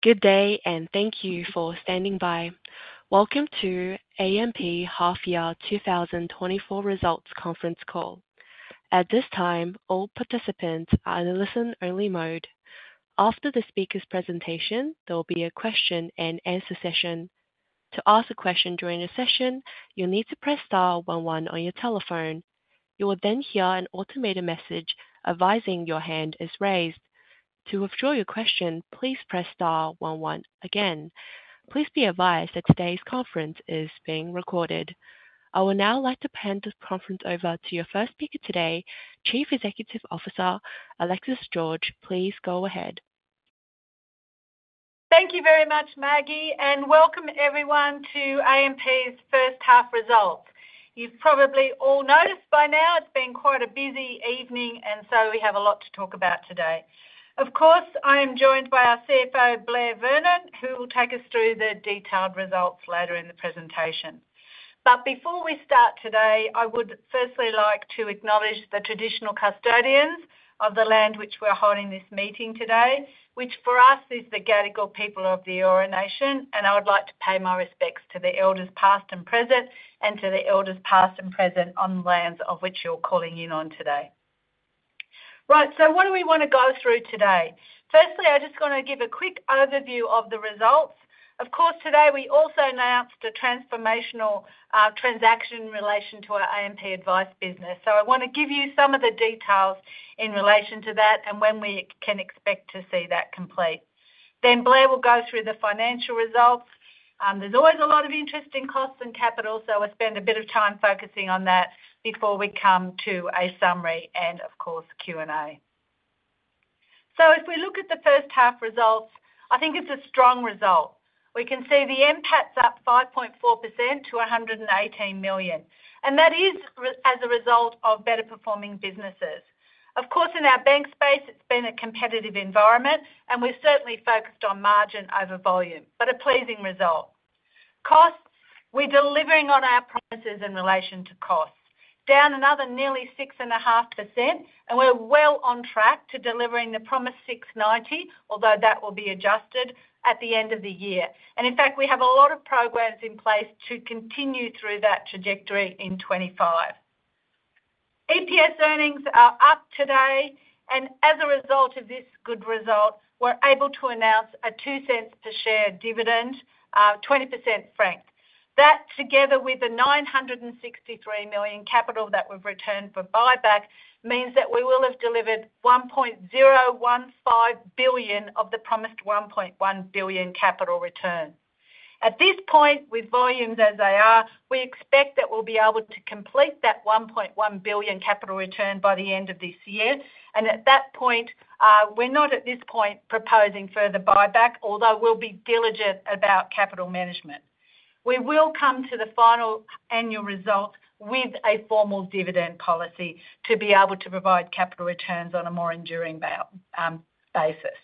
Good day, and thank you for standing by. Welcome to AMP Half-Year 2024 Results Conference Call. At this time, all participants are in listen-only mode. After the speaker's presentation, there will be a question-and-answer session. To ask a question during the session, you'll need to press star one one on your telephone. You will then hear an automated message advising your hand is raised. To withdraw your question, please press star one one again. Please be advised that today's conference is being recorded. I would now like to hand the conference over to your first speaker today, Chief Executive Officer Alexis George. Please go ahead. Thank you very much, Maggie, and welcome everyone to AMP's first half result. You've probably all noticed by now it's been quite a busy evening, and so we have a lot to talk about today. Of course, I am joined by our CFO, Blair Vernon, who will take us through the detailed results later in the presentation. But before we start today, I would firstly like to acknowledge the traditional custodians of the land which we're holding this meeting today, which for us is the Gadigal people of the Eora Nation. And I would like to pay my respects to the elders past and present, and to the elders past and present on the lands of which you're calling in on today. Right, so what do we want to go through today? Firstly, I just want to give a quick overview of the results. Of course, today we also announced a transformational transaction in relation to our AMP Advice business. So I want to give you some of the details in relation to that and when we can expect to see that complete. Then Blair will go through the financial results. There's always a lot of interest in cost and capital, so we'll spend a bit of time focusing on that before we come to a summary and, of course, Q&A. So if we look at the first half results, I think it's a strong result. We can see the NPAT's up 5.4% to 118 million. And that is as a result of better performing businesses. Of course, in our bank space, it's been a competitive environment, and we're certainly focused on margin over volume, but a pleasing result. Costs, we're delivering on our promises in relation to cost, down another nearly 6.5%, and we're well on track to delivering the promised 690, although that will be adjusted at the end of the year. In fact, we have a lot of programs in place to continue through that trajectory in 2025. EPS earnings are up today, and as a result of this good result, we're able to announce a 0.02 per share dividend, 20% franked. That together with the 963 million capital that we've returned for buyback means that we will have delivered 1.015 billion of the promised 1.1 billion capital return. At this point, with volumes as they are, we expect that we'll be able to complete that 1.1 billion capital return by the end of this year. At that point, we're not at this point proposing further buyback, although we'll be diligent about capital management. We will come to the final annual result with a formal dividend policy to be able to provide capital returns on a more enduring basis.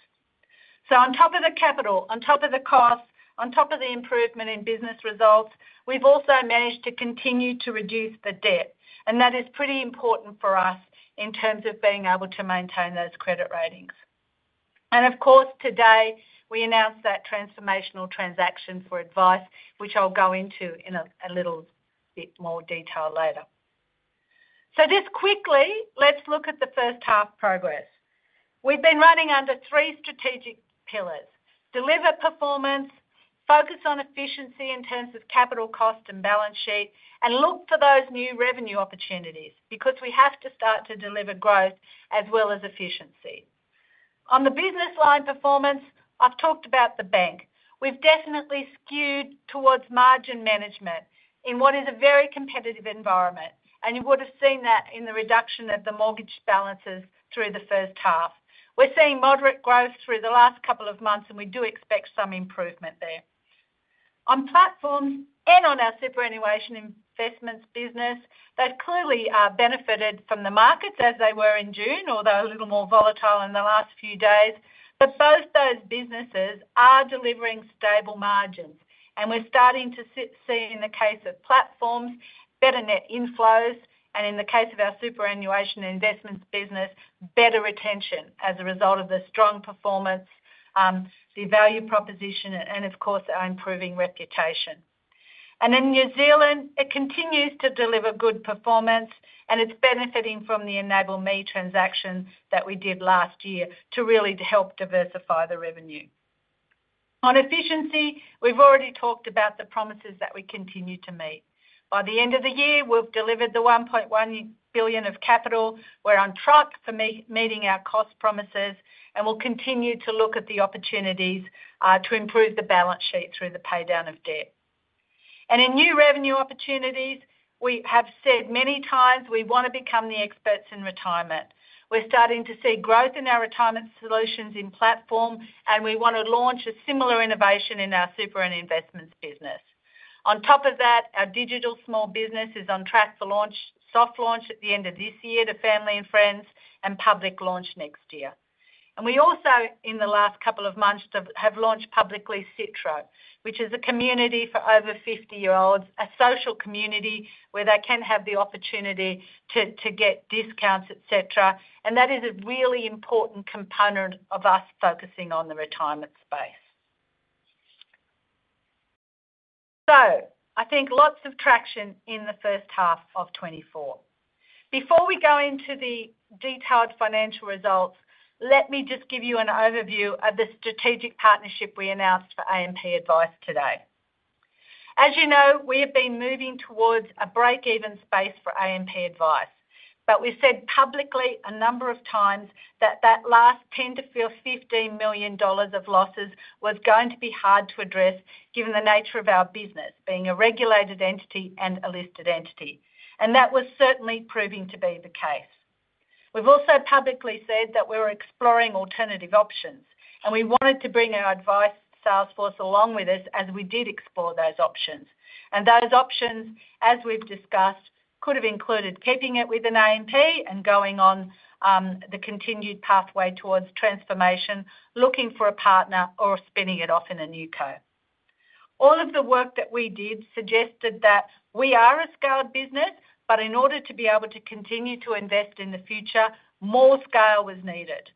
On top of the capital, on top of the costs, on top of the improvement in business results, we've also managed to continue to reduce the debt. That is pretty important for us in terms of being able to maintain those credit ratings. Of course, today we announced that transformational transaction for Advice, which I'll go into in a little bit more detail later. Just quickly, let's look at the first half progress. We've been running under three strategic pillars: deliver performance, focus on efficiency in terms of capital cost and balance sheet, and look for those new revenue opportunities because we have to start to deliver growth as well as efficiency. On the business line performance, I've talked about the Bank. We've definitely skewed towards margin management in what is a very competitive environment. And you would have seen that in the reduction of the mortgage balances through the first half. We're seeing moderate growth through the last couple of months, and we do expect some improvement there. On Platforms and on our superannuation and investments business, they've clearly benefited from the markets as they were in June, although a little more volatile in the last few days. But both those businesses are delivering stable margins. And we're starting to see in the case of Platforms better net inflows, and in the case of our superannuation and investments business, better retention as a result of the strong performance, the value proposition, and of course, our improving reputation. And in New Zealand, it continues to deliver good performance, and it's benefiting from the EnableMe transaction that we did last year to really help diversify the revenue. On efficiency, we've already talked about the promises that we continue to meet. By the end of the year, we've delivered the 1.1 billion of capital. We're on track for meeting our cost promises, and we'll continue to look at the opportunities to improve the balance sheet through the paydown of debt. And in new revenue opportunities, we have said many times we want to become the experts in retirement. We're starting to see growth in our retirement solutions in platform, and we want to launch a similar innovation in our Super and Investments business. On top of that, our digital small business is on track for soft launch at the end of this year to family and friends and public launch next year. We also, in the last couple of months, have launched publicly Citro, which is a community for over 50-year-olds, a social community where they can have the opportunity to get discounts, et cetera. And that is a really important component of us focusing on the retirement space. So I think lots of traction in the first half of 2024. Before we go into the detailed financial results, let me just give you an overview of the strategic partnership we announced for AMP Advice today. As you know, we have been moving towards a break-even space for AMP Advice. But we said publicly a number of times that that last 10 million-15 million dollars of losses was going to be hard to address given the nature of our business being a regulated entity and a listed entity. And that was certainly proving to be the case. We've also publicly said that we were exploring alternative options, and we wanted to bring our Advice sales force along with us as we did explore those options. And those options, as we've discussed, could have included keeping it within AMP and going on the continued pathway towards transformation, looking for a partner or spinning it off in a NewCo. All of the work that we did suggested that we are a scaled business, but in order to be able to continue to invest in the future, more scale was needed.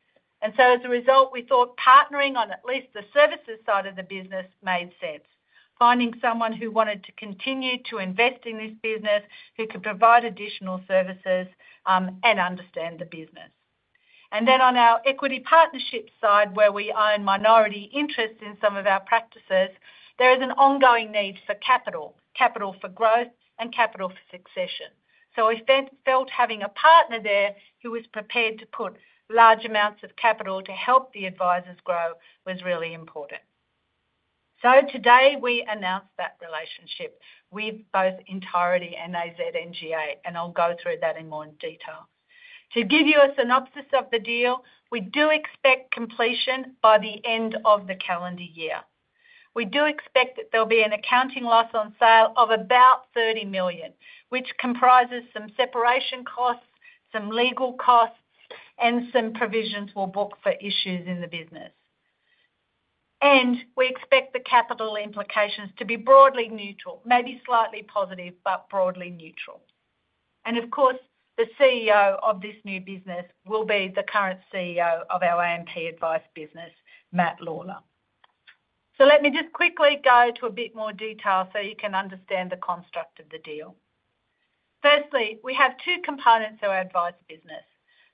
So as a result, we thought partnering on at least the services side of the business made sense, finding someone who wanted to continue to invest in this business, who could provide additional services and understand the business. Then on our equity partnership side, where we own minority interests in some of our practices, there is an ongoing need for capital, capital for growth, and capital for succession. We felt having a partner there who was prepared to put large amounts of capital to help the advisors grow was really important. Today we announced that relationship with both Entireti and AZ NGA, and I'll go through that in more detail. To give you a synopsis of the deal, we do expect completion by the end of the calendar year. We do expect that there'll be an accounting loss on sale of about 30 million, which comprises some separation costs, some legal costs, and some provisions we'll book for issues in the business. We expect the capital implications to be broadly neutral, maybe slightly positive, but broadly neutral. Of course, the CEO of this new business will be the current CEO of our AMP Advice business, Matt Lawler. Let me just quickly go to a bit more detail so you can understand the construct of the deal. Firstly, we have two components of our Advice business.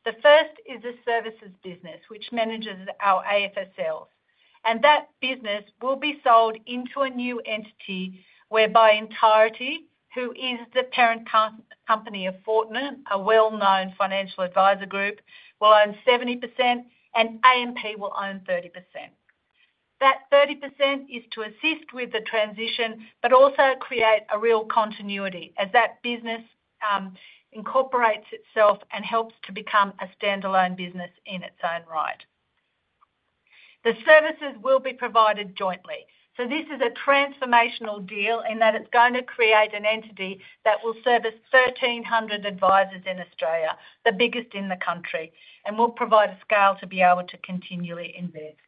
The first is the services business, which manages our AFSL. That business will be sold into a new entity whereby Entireti, who is the parent company of Fortnum, a well-known financial advisor group, will own 70%, and AMP will own 30%. That 30% is to assist with the transition, but also create a real continuity as that business incorporates itself and helps to become a standalone business in its own right. The services will be provided jointly. So this is a transformational deal in that it's going to create an entity that will service 1,300 advisors in Australia, the biggest in the country, and will provide a scale to be able to continually invest.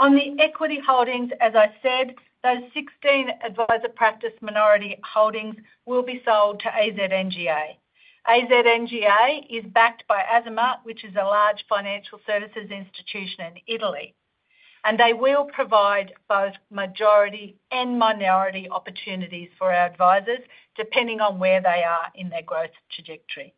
On the equity holdings, as I said, those 16 advisor practice minority holdings will be sold to AZ NGA. AZ NGA is backed by Azimut, which is a large financial services institution in Italy. They will provide both majority and minority opportunities for our advisors, depending on where they are in their growth trajectory.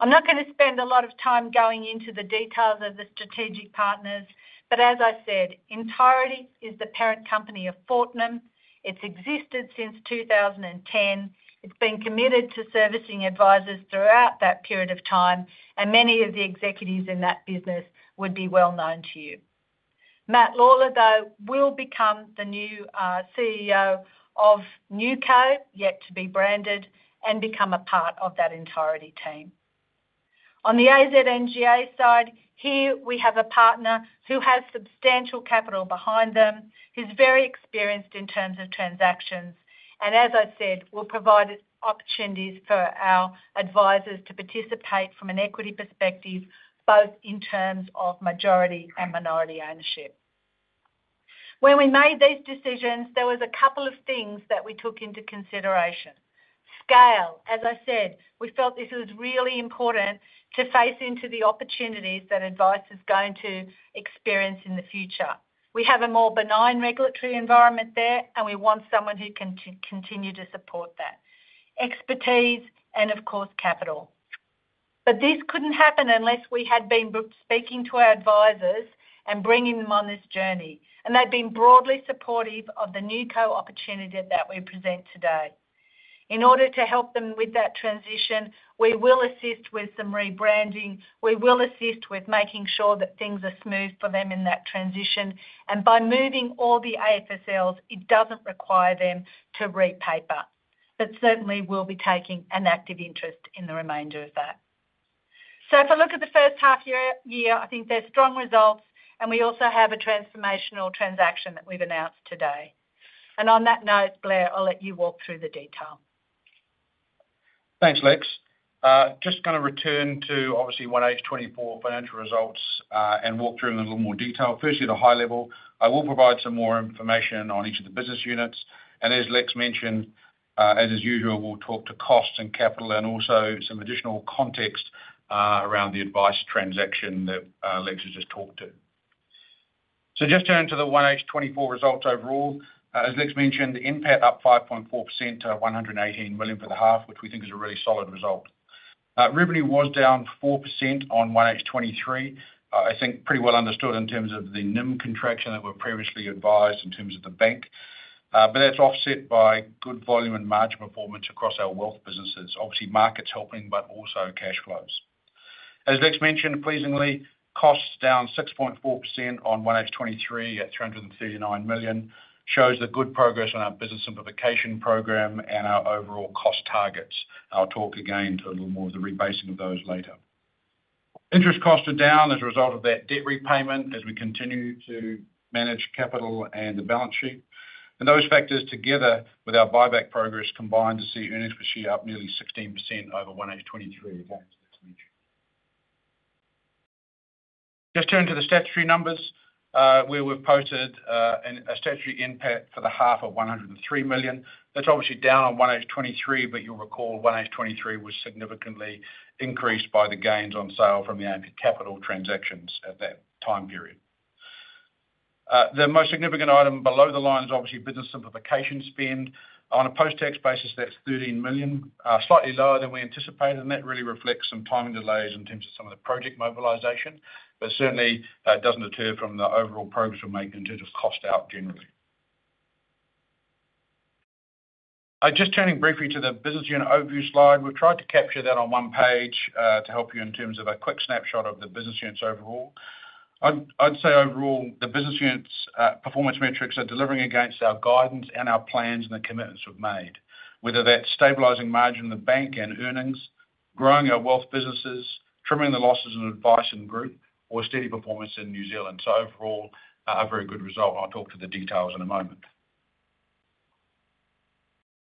I'm not going to spend a lot of time going into the details of the strategic partners, but as I said, Entireti is the parent company of Fortnum. It's existed since 2010. It's been committed to servicing advisors throughout that period of time, and many of the executives in that business would be well known to you. Matt Lawler, though, will become the new CEO of NewCo, yet to be branded, and become a part of that Entireti team. On the AZ NGA side, here we have a partner who has substantial capital behind them. He's very experienced in terms of transactions. And as I said, we'll provide opportunities for our advisors to participate from an equity perspective, both in terms of majority and minority ownership. When we made these decisions, there were a couple of things that we took into consideration. Scale, as I said, we felt this was really important to face into the opportunities that Advice is going to experience in the future. We have a more benign regulatory environment there, and we want someone who can continue to support that. Expertise and, of course, capital. But this couldn't happen unless we had been speaking to our advisors and bringing them on this journey. And they've been broadly supportive of the NewCo opportunity that we present today. In order to help them with that transition, we will assist with some rebranding. We will assist with making sure that things are smooth for them in that transition. And by moving all the AFSLs, it doesn't require them to repaper. But certainly, we'll be taking an active interest in the remainder of that. So if I look at the first half year, I think there's strong results, and we also have a transformational transaction that we've announced today. And on that note, Blair, I'll let you walk through the detail. Thanks, Lex. Just going to return to, obviously, 1H 2024 financial results and walk through them in a little more detail. Firstly, the high level, I will provide some more information on each of the business units. And as Lex mentioned, as usual, we'll talk to costs and capital and also some additional context around the Advice transaction that Lex has just talked to. So just going to the 1H 2024 results overall. As Lex mentioned, the profit up 5.4% to 118 million for the half, which we think is a really solid result. Revenue was down 4% on 1H 2023. I think it's pretty well understood in terms of the NIM contraction that we were previously advised in terms of the Bank. But that's offset by good volume and margin performance across our wealth businesses. Obviously, markets helping, but also cash flows. As Lex mentioned, pleasingly, costs down 6.4% on 1H 2023 at 339 million shows good progress on our business simplification program and our overall cost targets. I'll talk again to a little more of the rebasing of those later. Interest costs are down as a result of that debt repayment as we continue to manage capital and the balance sheet. And those factors together with our buyback progress combined to see earnings per share up nearly 16% over 1H 2023. Just turn to the statutory numbers where we've posted a statutory NPAT for the half of 103 million. That's obviously down on 1H 2023, but you'll recall 1H 2023 was significantly increased by the gains on sale from the AMP capital transactions at that time period. The most significant item below the line is obviously business simplification spend. On a post-tax basis, that's 13 million, slightly lower than we anticipated. And that really reflects some time delays in terms of some of the project mobilization. But certainly, it doesn't deter from the overall progress we've made in terms of cost out generally. Just turning briefly to the business unit overview slide, we've tried to capture that on one page to help you in terms of a quick snapshot of the business units overall. I'd say overall, the business units performance metrics are delivering against our guidance and our plans and the commitments we've made, whether that's stabilizing margin in the Bank and earnings, growing our wealth businesses, trimming the losses in Advice and Group, or steady performance in New Zealand. So overall, a very good result. I'll talk to the details in a moment.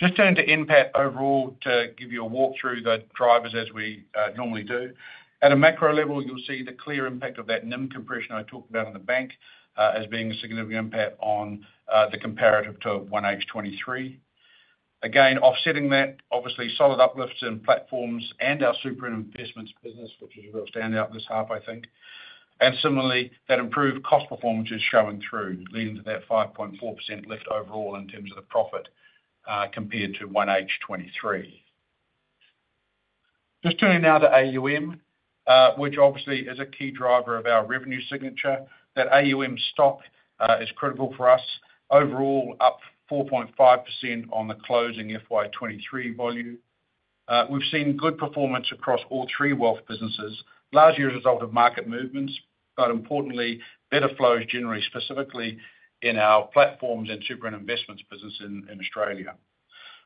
Just turning to NPAT overall to give you a walk through the drivers as we normally do. At a macro level, you'll see the clear NPAT of that NIM compression I talked about in the Bank as being a significant NPAT on the comparative to 1H 2023. Again, offsetting that, obviously, solid uplifts in Platforms and our Super and Investments business, which is a real standout this half, I think. Similarly, that improved cost performance is showing through, leading to that 5.4% lift overall in terms of the profit compared to 1H 2023. Just turning now to AUM, which obviously is a key driver of our revenue signature. That AUM stock is critical for us. Overall, up 4.5% on the closing FY 2023 volume. We've seen good performance across all three wealth businesses, largely a result of market movements, but importantly, better flows generally specifically in our Platforms and Super and Investments business in Australia.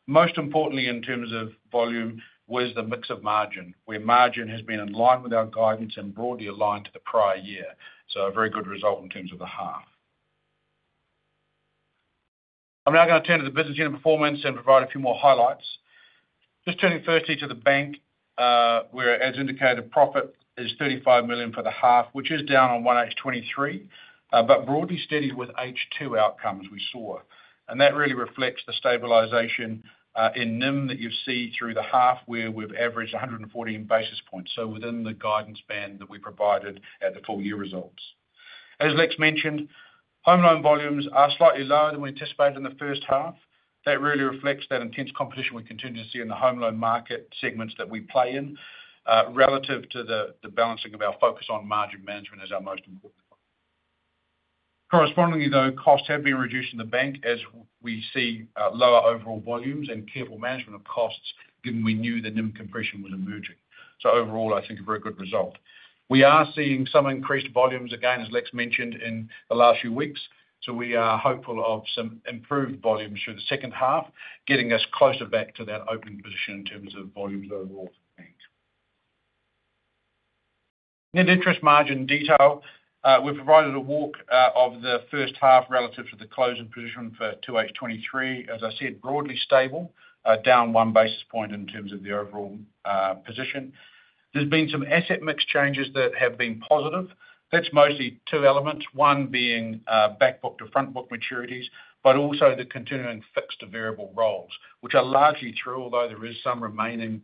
Most importantly, in terms of volume, was the mix of margin, where margin has been in line with our guidance and broadly aligned to the prior year. So a very good result in terms of the half. I'm now going to turn to the business unit performance and provide a few more highlights. Just turning firstly to the Bank, where, as indicated, profit is 35 million for the half, which is down on 1H 2023, but broadly steady with H2 outcomes we saw. That really reflects the stabilization in NIM that you see through the half, where we've averaged 114 basis points, so within the guidance band that we provided at the full year results. As Lex mentioned, home loan volumes are slightly lower than we anticipated in the first half. That really reflects that intense competition we continue to see in the home loan market segments that we play in, relative to the balancing of our focus on margin management as our most important. Correspondingly, though, costs have been reduced in the Bank as we see lower overall volumes and careful management of costs given we knew the NIM compression was emerging. Overall, I think a very good result. We are seeing some increased volumes, again, as Lex mentioned, in the last few weeks. So we are hopeful of some improved volumes through the second half, getting us closer back to that opening position in terms of volumes overall for the Bank. Net interest margin detail. We've provided a walk of the first half relative to the closing position for 2H 2023. As I said, broadly stable, down one basis point in terms of the overall position. There's been some asset mix changes that have been positive. That's mostly two elements, one being backbook to frontbook maturities, but also the continuing fixed variable roles, which are largely through, although there is some remaining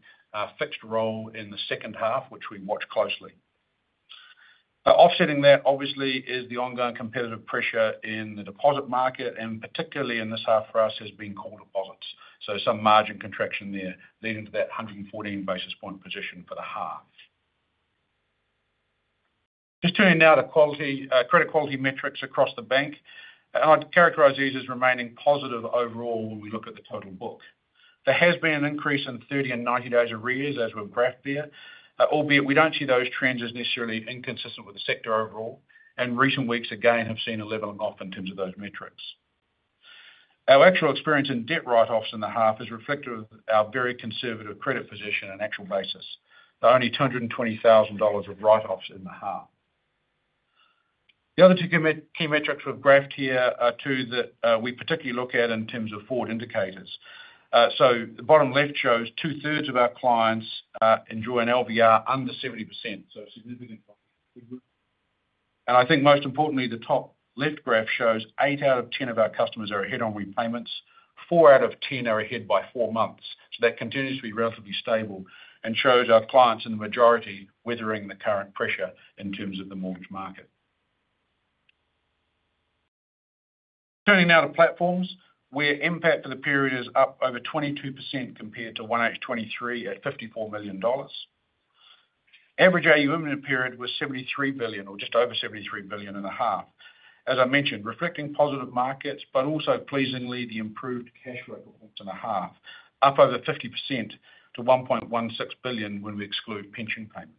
fixed role in the second half, which we watch closely. Offsetting that, obviously, is the ongoing competitive pressure in the deposit market, and particularly in this half for us has been core deposits. So some margin contraction there, leading to that 114 basis point position for the half. Just turning now to credit quality metrics across the Bank. I'd characterize these as remaining positive overall when we look at the total book. There has been an increase in 30 and 90 days arrears as we've graphed there, albeit we don't see those trends as necessarily inconsistent with the sector overall. Recent weeks, again, have seen a leveling off in terms of those metrics. Our actual experience in debt write-offs in the half is reflective of our very conservative credit position and actual basis, but only 220,000 dollars of write-offs in the half. The other two key metrics we've graphed here are two that we particularly look at in terms of forward indicators. The bottom left shows two-thirds of our clients enjoy an LVR under 70%, so significantly. I think most importantly, the top left graph shows eight out of 10 of our customers are ahead on repayments, four out of 10 are ahead by four months. That continues to be relatively stable and shows our clients in the majority weathering the current pressure in terms of the mortgage market. Turning now to Platforms, where NPAT for the period is up over 22% compared to 1H 2023 at 54 million dollars. Average AUM in the period was 73 billion, or just over 73.5 billion. As I mentioned, reflecting positive markets, but also pleasingly the improved cash flow performance in the half, up over 50% to 1.16 billion when we exclude pension payments.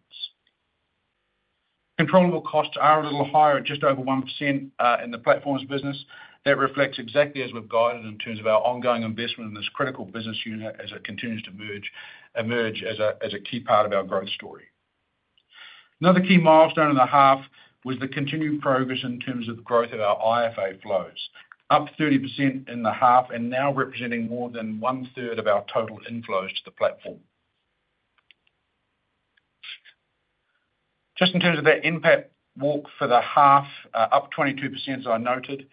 Controllable costs are a little higher, just over 1% in the Platforms business. That reflects exactly as we've guided in terms of our ongoing investment in this critical business unit as it continues to emerge as a key part of our growth story. Another key milestone in the half was the continued progress in terms of growth of our IFA flows, up 30% in the half and now representing more than 1/3 of our total inflows to the platform. Just in terms of that NPAT walk for the half, up 22% as I noted.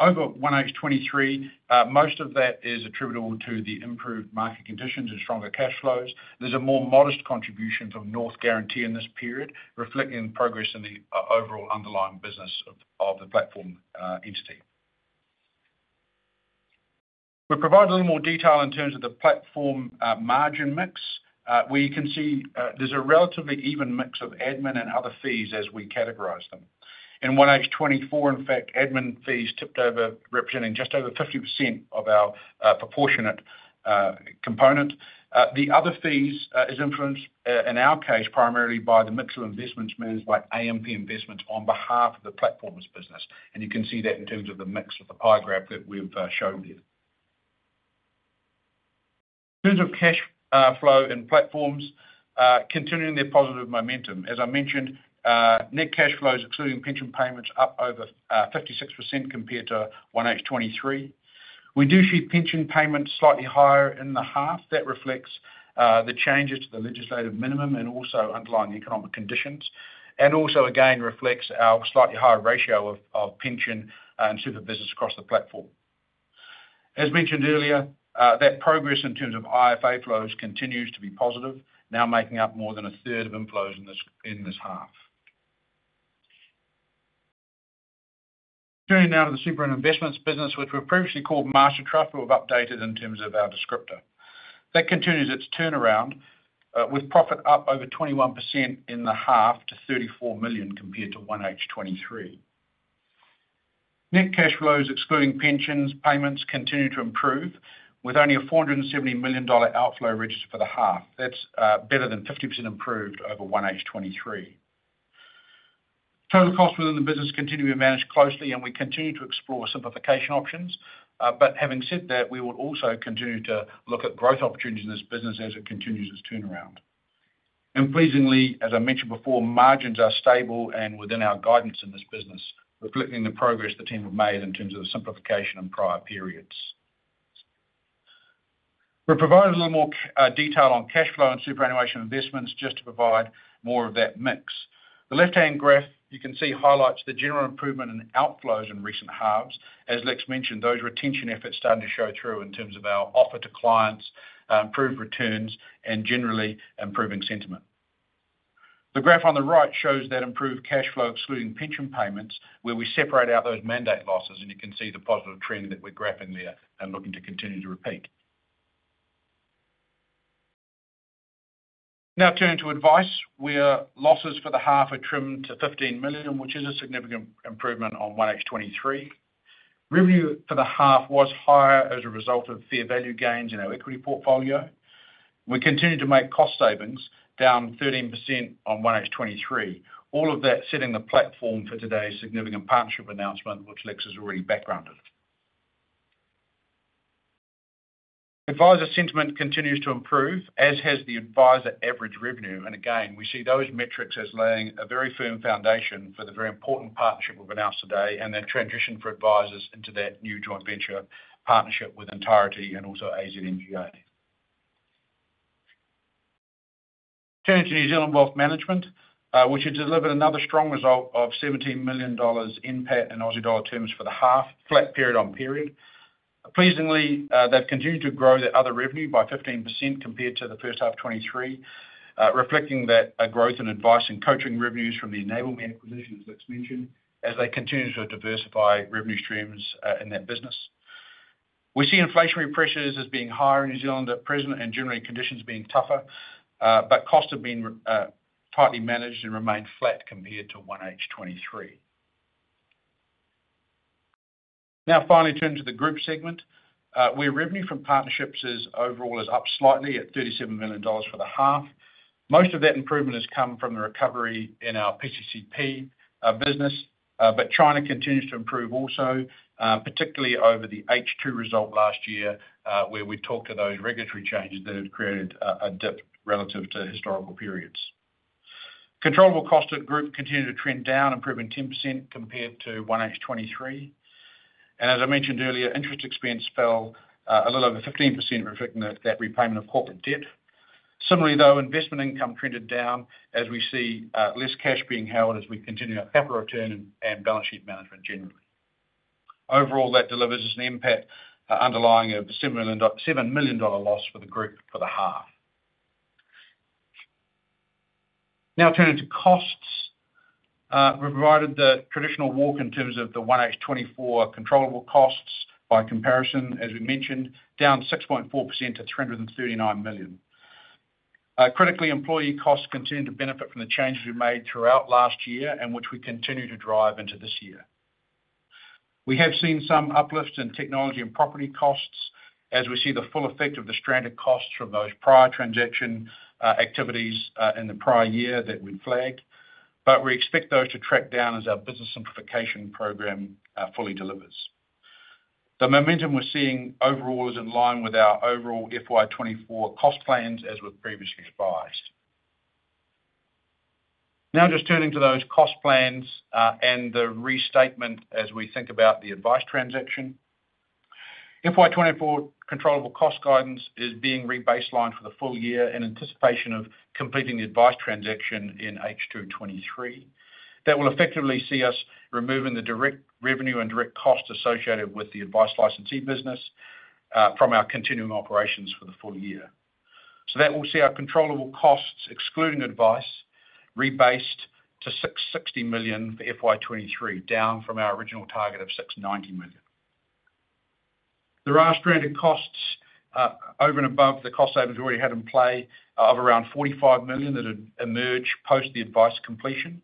Over 1H 2023, most of that is attributable to the improved market conditions and stronger cash flows. There's a more modest contribution from North Guarantee in this period, reflecting progress in the overall underlying business of the platform entity. We'll provide a little more detail in terms of the platform margin mix. We can see there's a relatively even mix of admin and other fees as we categorize them. In 1H 2024, in fact, admin fees tipped over, representing just over 50% of our proportionate component. The other fees are influenced, in our case, primarily by the mix of investments made by AMP Investments on behalf of the Platforms business. And you can see that in terms of the mix with the pie graph that we've showed there. In terms of cash flow and Platforms, continuing their positive momentum. As I mentioned, net cash flows, including pension payments, up over 56% compared to 1H 2023. We do see pension payments slightly higher in the half. That reflects the changes to the legislative minimum and also underlying the economic conditions. And also, again, reflects our slightly higher ratio of pension and super business across the platform. As mentioned earlier, that progress in terms of IFA flows continues to be positive, now making up more than a third of inflows in this half. Turning now to the Super and Investments business, which we've previously called Master Trust. We've updated in terms of our descriptor. That continues its turnaround, with profit up over 21% in the half to 34 million compared to 1H 2023. Net cash flows, excluding pensions, payments, continue to improve, with only a 470 million dollar outflow registered for the half. That's better than 50% improved over 1H 2023. Total costs within the business continue to be managed closely, and we continue to explore simplification options. But having said that, we will also continue to look at growth opportunities in this business as it continues its turnaround. And pleasingly, as I mentioned before, margins are stable and within our guidance in this business, reflecting the progress the team have made in terms of the simplification in prior periods. We'll provide a little more detail on cash flow and superannuation investments just to provide more of that mix. The left-hand graph you can see highlights the general improvement in outflows in recent halves. As Lex mentioned, those retention efforts started to show through in terms of our offer to clients, improved returns, and generally improving sentiment. The graph on the right shows that improved cash flow, excluding pension payments, where we separate out those mandate losses, and you can see the positive trend that we're graphing there and looking to continue to repeat. Now turning to Advice, where losses for the half are trimmed to 15 million, which is a significant improvement on 1H 2023. Revenue for the half was higher as a result of fair value gains in our equity portfolio. We continue to make cost savings, down 13% on 1H 2023. All of that setting the platform for today's significant partnership announcement, which Lex has already backgrounded. Advisor sentiment continues to improve, as has the advisor average revenue. Again, we see those metrics as laying a very firm foundation for the very important partnership we've announced today and that transition for advisors into that new joint venture partnership with Entireti and also AZ NGA. Turning to New Zealand Wealth Management, which has delivered another strong result of AUD 17 million in PAT and Aussie dollar terms for the half, flat period-on-period. Pleasingly, they've continued to grow their other revenue by 15% compared to the first half of 2023, reflecting that growth in Advice and coaching revenues from the EnableMe acquisitions, Lex mentioned, as they continue to diversify revenue streams in that business. We see inflationary pressures as being higher in New Zealand at present and generally conditions being tougher, but costs have been tightly managed and remain flat compared to 1H 2023. Now finally, turning to the Group segment, where revenue from partnerships is overall up slightly at 37 million dollars for the half. Most of that improvement has come from the recovery in our PCCP business, but China continues to improve also, particularly over the H2 result last year, where we talked to those regulatory changes that had created a dip relative to historical periods. Controllable costs at Group continue to trend down, improving 10% compared to 1H 2023. As I mentioned earlier, interest expense fell a little over 15%, reflecting that repayment of corporate debt. Similarly, though, investment income trended down as we see less cash being held as we continue our capital return and balance sheet management generally. Overall, that delivers an NPAT underlying a 7 million dollar loss for the Group for the half. Now turning to costs, we've provided the traditional walk in terms of the 1H 2024 controllable costs by comparison, as we mentioned, down 6.4% to 339 million. Critically, employee costs continue to benefit from the changes we made throughout last year and which we continue to drive into this year. We have seen some uplift in technology and property costs as we see the full effect of the stranded costs from those prior transaction activities in the prior year that we'd flagged, but we expect those to track down as our business simplification program fully delivers. The momentum we're seeing overall is in line with our overall FY 2024 cost plans as we've previously advised. Now just turning to those cost plans and the restatement as we think about the Advice transaction. FY 2024 controllable cost guidance is being rebaselined for the full year in anticipation of completing the Advice transaction in H2 2023. That will effectively see us removing the direct revenue and direct cost associated with the Advice licensee business from our continuing operations for the full year. So that will see our controllable costs, excluding Advice, rebased to 660 million for FY 2023, down from our original target of 690 million. There are stranded costs over and above the cost savings we already had in play of around 45 million that had emerged post the Advice completion.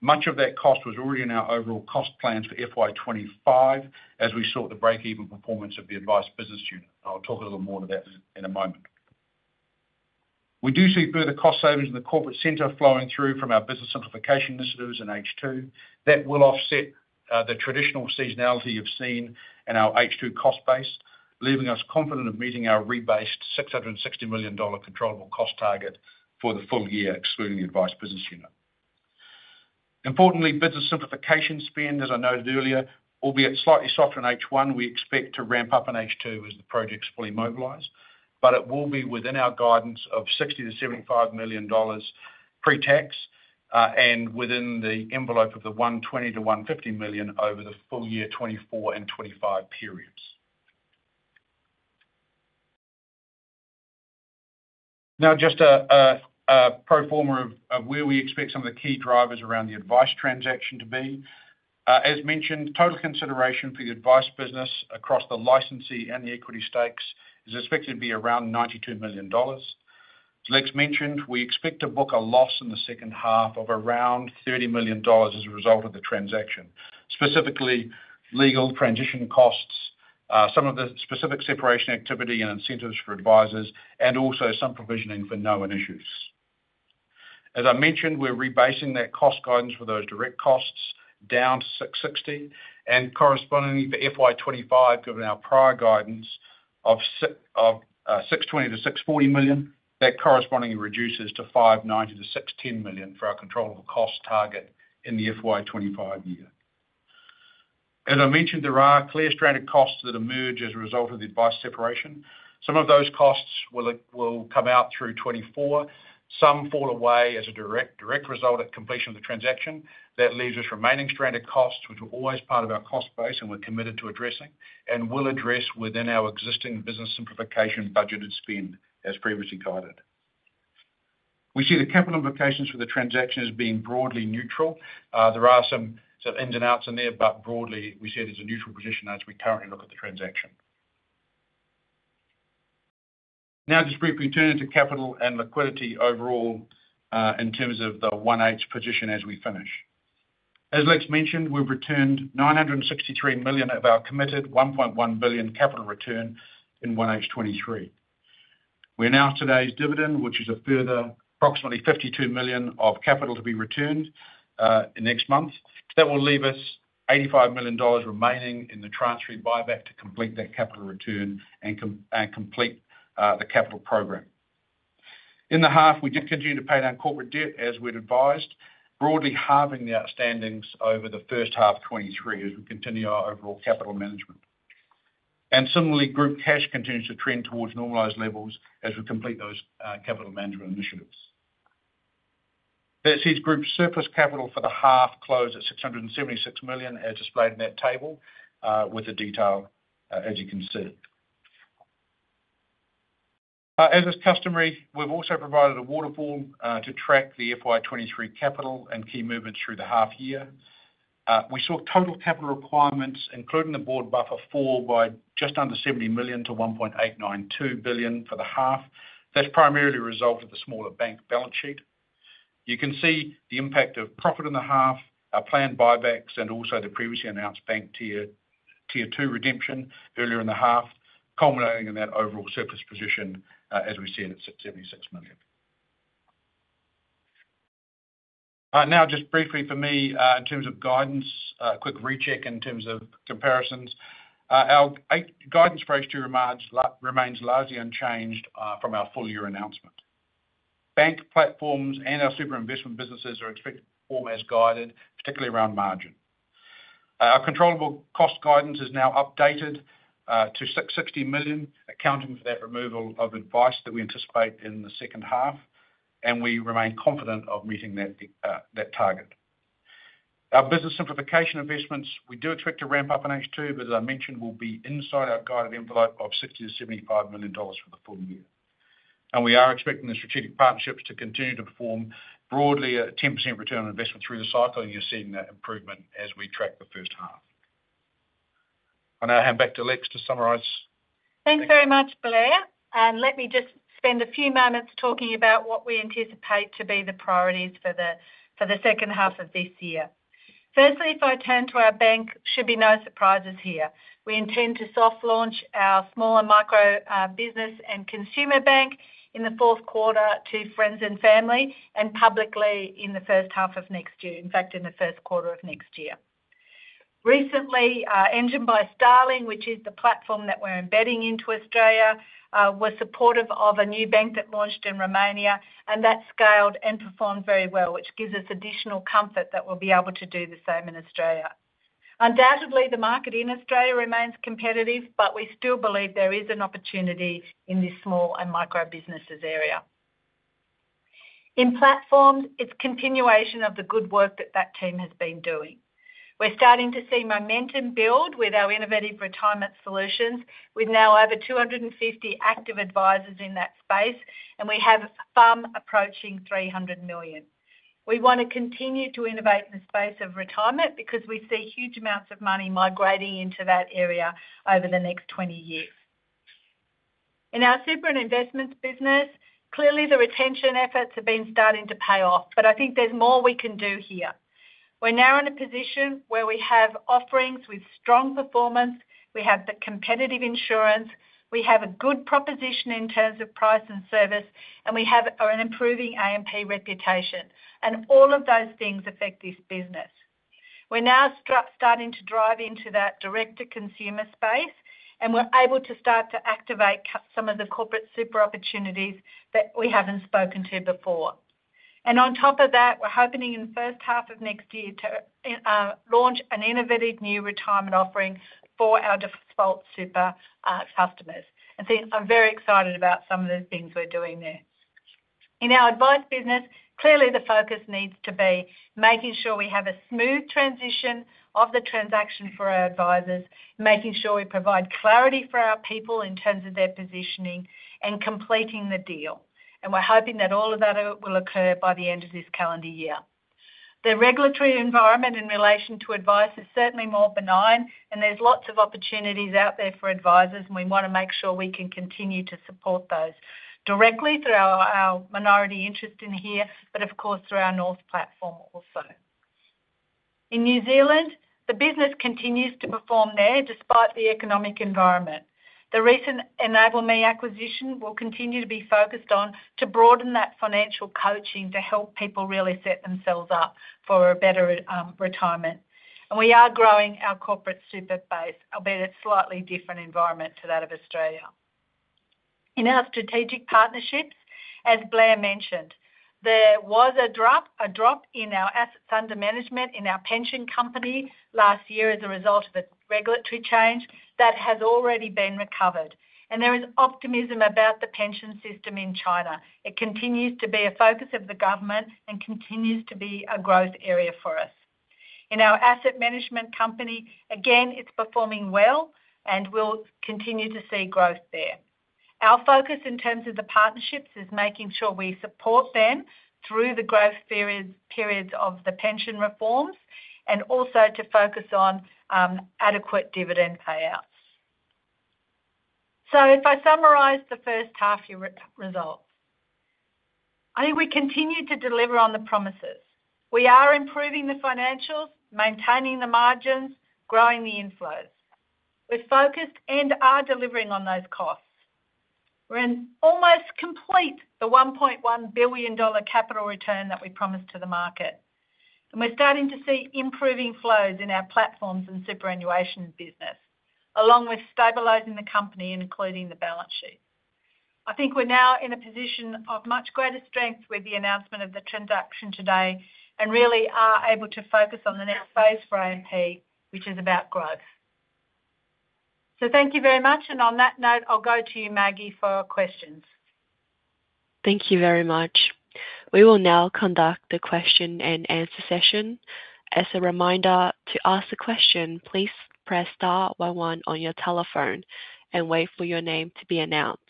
Much of that cost was already in our overall cost plans for FY 2025 as we sought the break-even performance of the Advice business unit. I'll talk a little more to that in a moment. We do see further cost savings in the Corporate Centre flowing through from our business simplification initiatives in H2. That will offset the traditional seasonality you've seen in our H2 cost base, leaving us confident of meeting our rebased 660 million dollar controllable cost target for the full year, excluding the Advice business unit. Importantly, business simplification spend, as I noted earlier, will be at slightly softer in H1. We expect to ramp up in H2 as the projects fully mobilize, but it will be within our guidance of 60 million-75 million dollars pre-tax and within the envelope of the 120 million-150 million over the full year 2024 and 2025 periods. Now just a pro forma of where we expect some of the key drivers around the Advice transaction to be. As mentioned, total consideration for the Advice business across the licensee and the equity stakes is expected to be around 92 million dollars. As Lex mentioned, we expect to book a loss in the second half of around 30 million dollars as a result of the transaction, specifically legal transition costs, some of the specific separation activity and incentives for advisors, and also some provisioning for known issues. As I mentioned, we're rebasing that cost guidance for those direct costs down to 660 million, and correspondingly for FY 2025, given our prior guidance of 620 million-640 million, that correspondingly reduces to 590 million-610 million for our controllable cost target in the FY 2025 year. As I mentioned, there are clear stranded costs that emerge as a result of the Advice separation. Some of those costs will come out through 2024. Some fall away as a direct result of completion of the transaction. That leaves us remaining stranded costs, which are always part of our cost base and we're committed to addressing and will address within our existing business simplification budgeted spend, as previously guided. We see the capital implications for the transaction as being broadly neutral. There are some sort of ins and outs in there, but broadly, we see it as a neutral position as we currently look at the transaction. Now just briefly turning to capital and liquidity overall in terms of the 1H position as we finish. As Lex mentioned, we've returned 963 million of our committed 1.1 billion capital return in 1H 2023. We announced today's dividend, which is a further approximately 52 million of capital to be returned next month. That will leave us 85 million dollars remaining in the transfer buyback to complete that capital return and complete the capital program. In the half, we did continue to pay down corporate debt as we'd advised, broadly halving the outstandings over the first half of 2023 as we continue our overall capital management. And similarly, Group cash continues to trend towards normalized levels as we complete those capital management initiatives. That sees Group surplus capital for the half close at 676 million, as displayed in that table with the detail as you can see. As is customary, we've also provided a waterfall to track the FY 2023 capital and key movements through the half year. We saw total capital requirements, including the board buffer fall by just under 70 million-1.892 billion for the half. That's primarily a result of the smaller bank balance sheet. You can see the NPAT of profit in the half, our planned buybacks, and also the previously announced Bank Tier 2 redemption earlier in the half, culminating in that overall surplus position as we see at 676 million. Now just briefly for me in terms of guidance, a quick recheck in terms of comparisons. Our guidance for H2 remains largely unchanged from our full year announcement. Bank Platforms and our Super, Investment businesses are expected to perform as guided, particularly around margin. Our controllable cost guidance is now updated to 660 million, accounting for that removal of Advice that we anticipate in the second half, and we remain confident of meeting that target. Our business simplification investments, we do expect to ramp up in H2, but as I mentioned, will be inside our guided envelope of 60 million-75 million dollars for the full year. We are expecting the strategic partnerships to continue to perform broadly at a 10% return on investment through the cycle, and you're seeing that improvement as we track the first half. I now hand back to Lex to summarize. Thanks very much, Blair. Let me just spend a few moments talking about what we anticipate to be the priorities for the second half of this year. Firstly, if I turn to our Bank, should be no surprises here. We intend to soft launch our smaller micro business and consumer Bank in the fourth quarter to friends and family and publicly in the first half of next year, in fact, in the first quarter of next year. Recently, Engine by Starling, which is the platform that we're embedding into Australia, was supportive of a new bank that launched in Romania, and that scaled and performed very well, which gives us additional comfort that we'll be able to do the same in Australia. Undoubtedly, the market in Australia remains competitive, but we still believe there is an opportunity in this small and micro businesses area. In Platforms, it's continuation of the good work that that team has been doing. We're starting to see momentum build with our innovative retirement solutions. We've now over 250 active advisors in that space, and we have AUM approaching 300 million. We want to continue to innovate in the space of retirement because we see huge amounts of money migrating into that area over the next 20 years. In our Super and Investments business, clearly the retention efforts have been starting to pay off, but I think there's more we can do here. We're now in a position where we have offerings with strong performance, we have the competitive insurance, we have a good proposition in terms of price and service, and we have an improving AMP reputation. And all of those things affect this business. We're now starting to drive into that direct-to-consumer space, and we're able to start to activate some of the corporate super opportunities that we haven't spoken to before. And on top of that, we're hoping in the first half of next year to launch an innovative new retirement offering for our default super customers. I think I'm very excited about some of the things we're doing there. In our Advice business, clearly the focus needs to be making sure we have a smooth transition of the transaction for our advisors, making sure we provide clarity for our people in terms of their positioning and completing the deal. We're hoping that all of that will occur by the end of this calendar year. The regulatory environment in relation to Advice is certainly more benign, and there's lots of opportunities out there for advisors, and we want to make sure we can continue to support those directly through our minority interest in AZ NGA, but of course through our North platform also. In New Zealand, the business continues to perform there despite the economic environment. The recent EnableMe acquisition will continue to be focused on to broaden that financial coaching to help people really set themselves up for a better retirement. We are growing our corporate super base, albeit a slightly different environment to that of Australia. In our strategic partnerships, as Blair mentioned, there was a drop in our asset under management in our pension company last year as a result of the regulatory change that has already been recovered. There is optimism about the pension system in China. It continues to be a focus of the government and continues to be a growth area for us. In our asset management company, again, it's performing well and we'll continue to see growth there. Our focus in terms of the partnerships is making sure we support them through the growth periods of the pension reforms and also to focus on adequate dividend payouts. If I summarize the first half year result, I think we continue to deliver on the promises. We are improving the financials, maintaining the margins, growing the inflows. We're focused and are delivering on those costs. We're almost complete the 1.1 billion dollar capital return that we promised to the market. And we're starting to see improving flows in our Platforms and superannuation business, along with stabilizing the company and including the balance sheet. I think we're now in a position of much greater strength with the announcement of the transaction today and really are able to focus on the next phase for AMP, which is about growth. So thank you very much. And on that note, I'll go to you, Maggie, for questions. Thank you very much. We will now conduct the question-and-answer session. As a reminder, to ask a question, please press star one one on your telephone and wait for your name to be announced.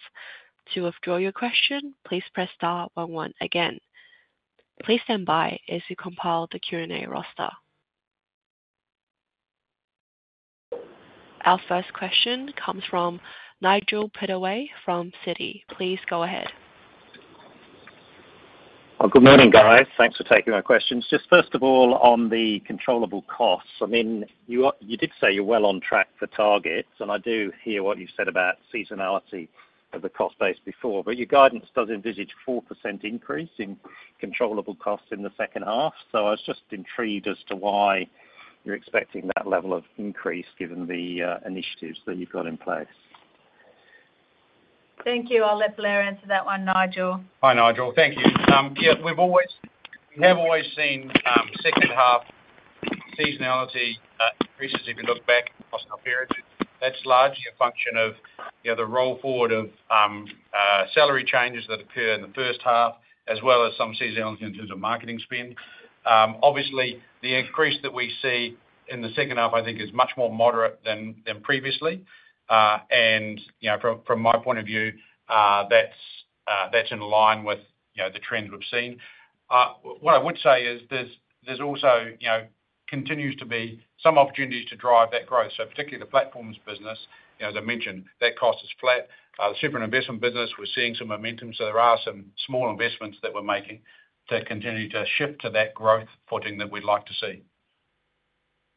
To withdraw your question, please press star one one again. Please stand by as we compile the Q&A roster. Our first question comes from Nigel Pittaway from Citi. Please go ahead. Good morning, guys. Thanks for taking my questions. Just first of all, on the controllable costs, I mean, you did say you're well on track for target, and I do hear what you said about seasonality of the cost base before, but your guidance does envisage a 4% increase in controllable costs in the second half. So I was just intrigued as to why you're expecting that level of increase given the initiatives that you've got in place. Thank you. I'll let Blair answer that one, Nigel. Hi, Nigel. Thank you. We've always seen second half seasonality increases if you look back across our periods. That's largely a function of the roll forward of salary changes that occur in the first half, as well as some seasonality in terms of marketing spend. Obviously, the increase that we see in the second half, I think, is much more moderate than previously. From my point of view, that's in line with the trend we've seen. What I would say is there's also continues to be some opportunities to drive that growth, so particularly the Platforms business. As I mentioned, that cost is flat. The Super and Investment business, we're seeing some momentum. There are some small investments that we're making to continue to shift to that growth footing that we'd like to see.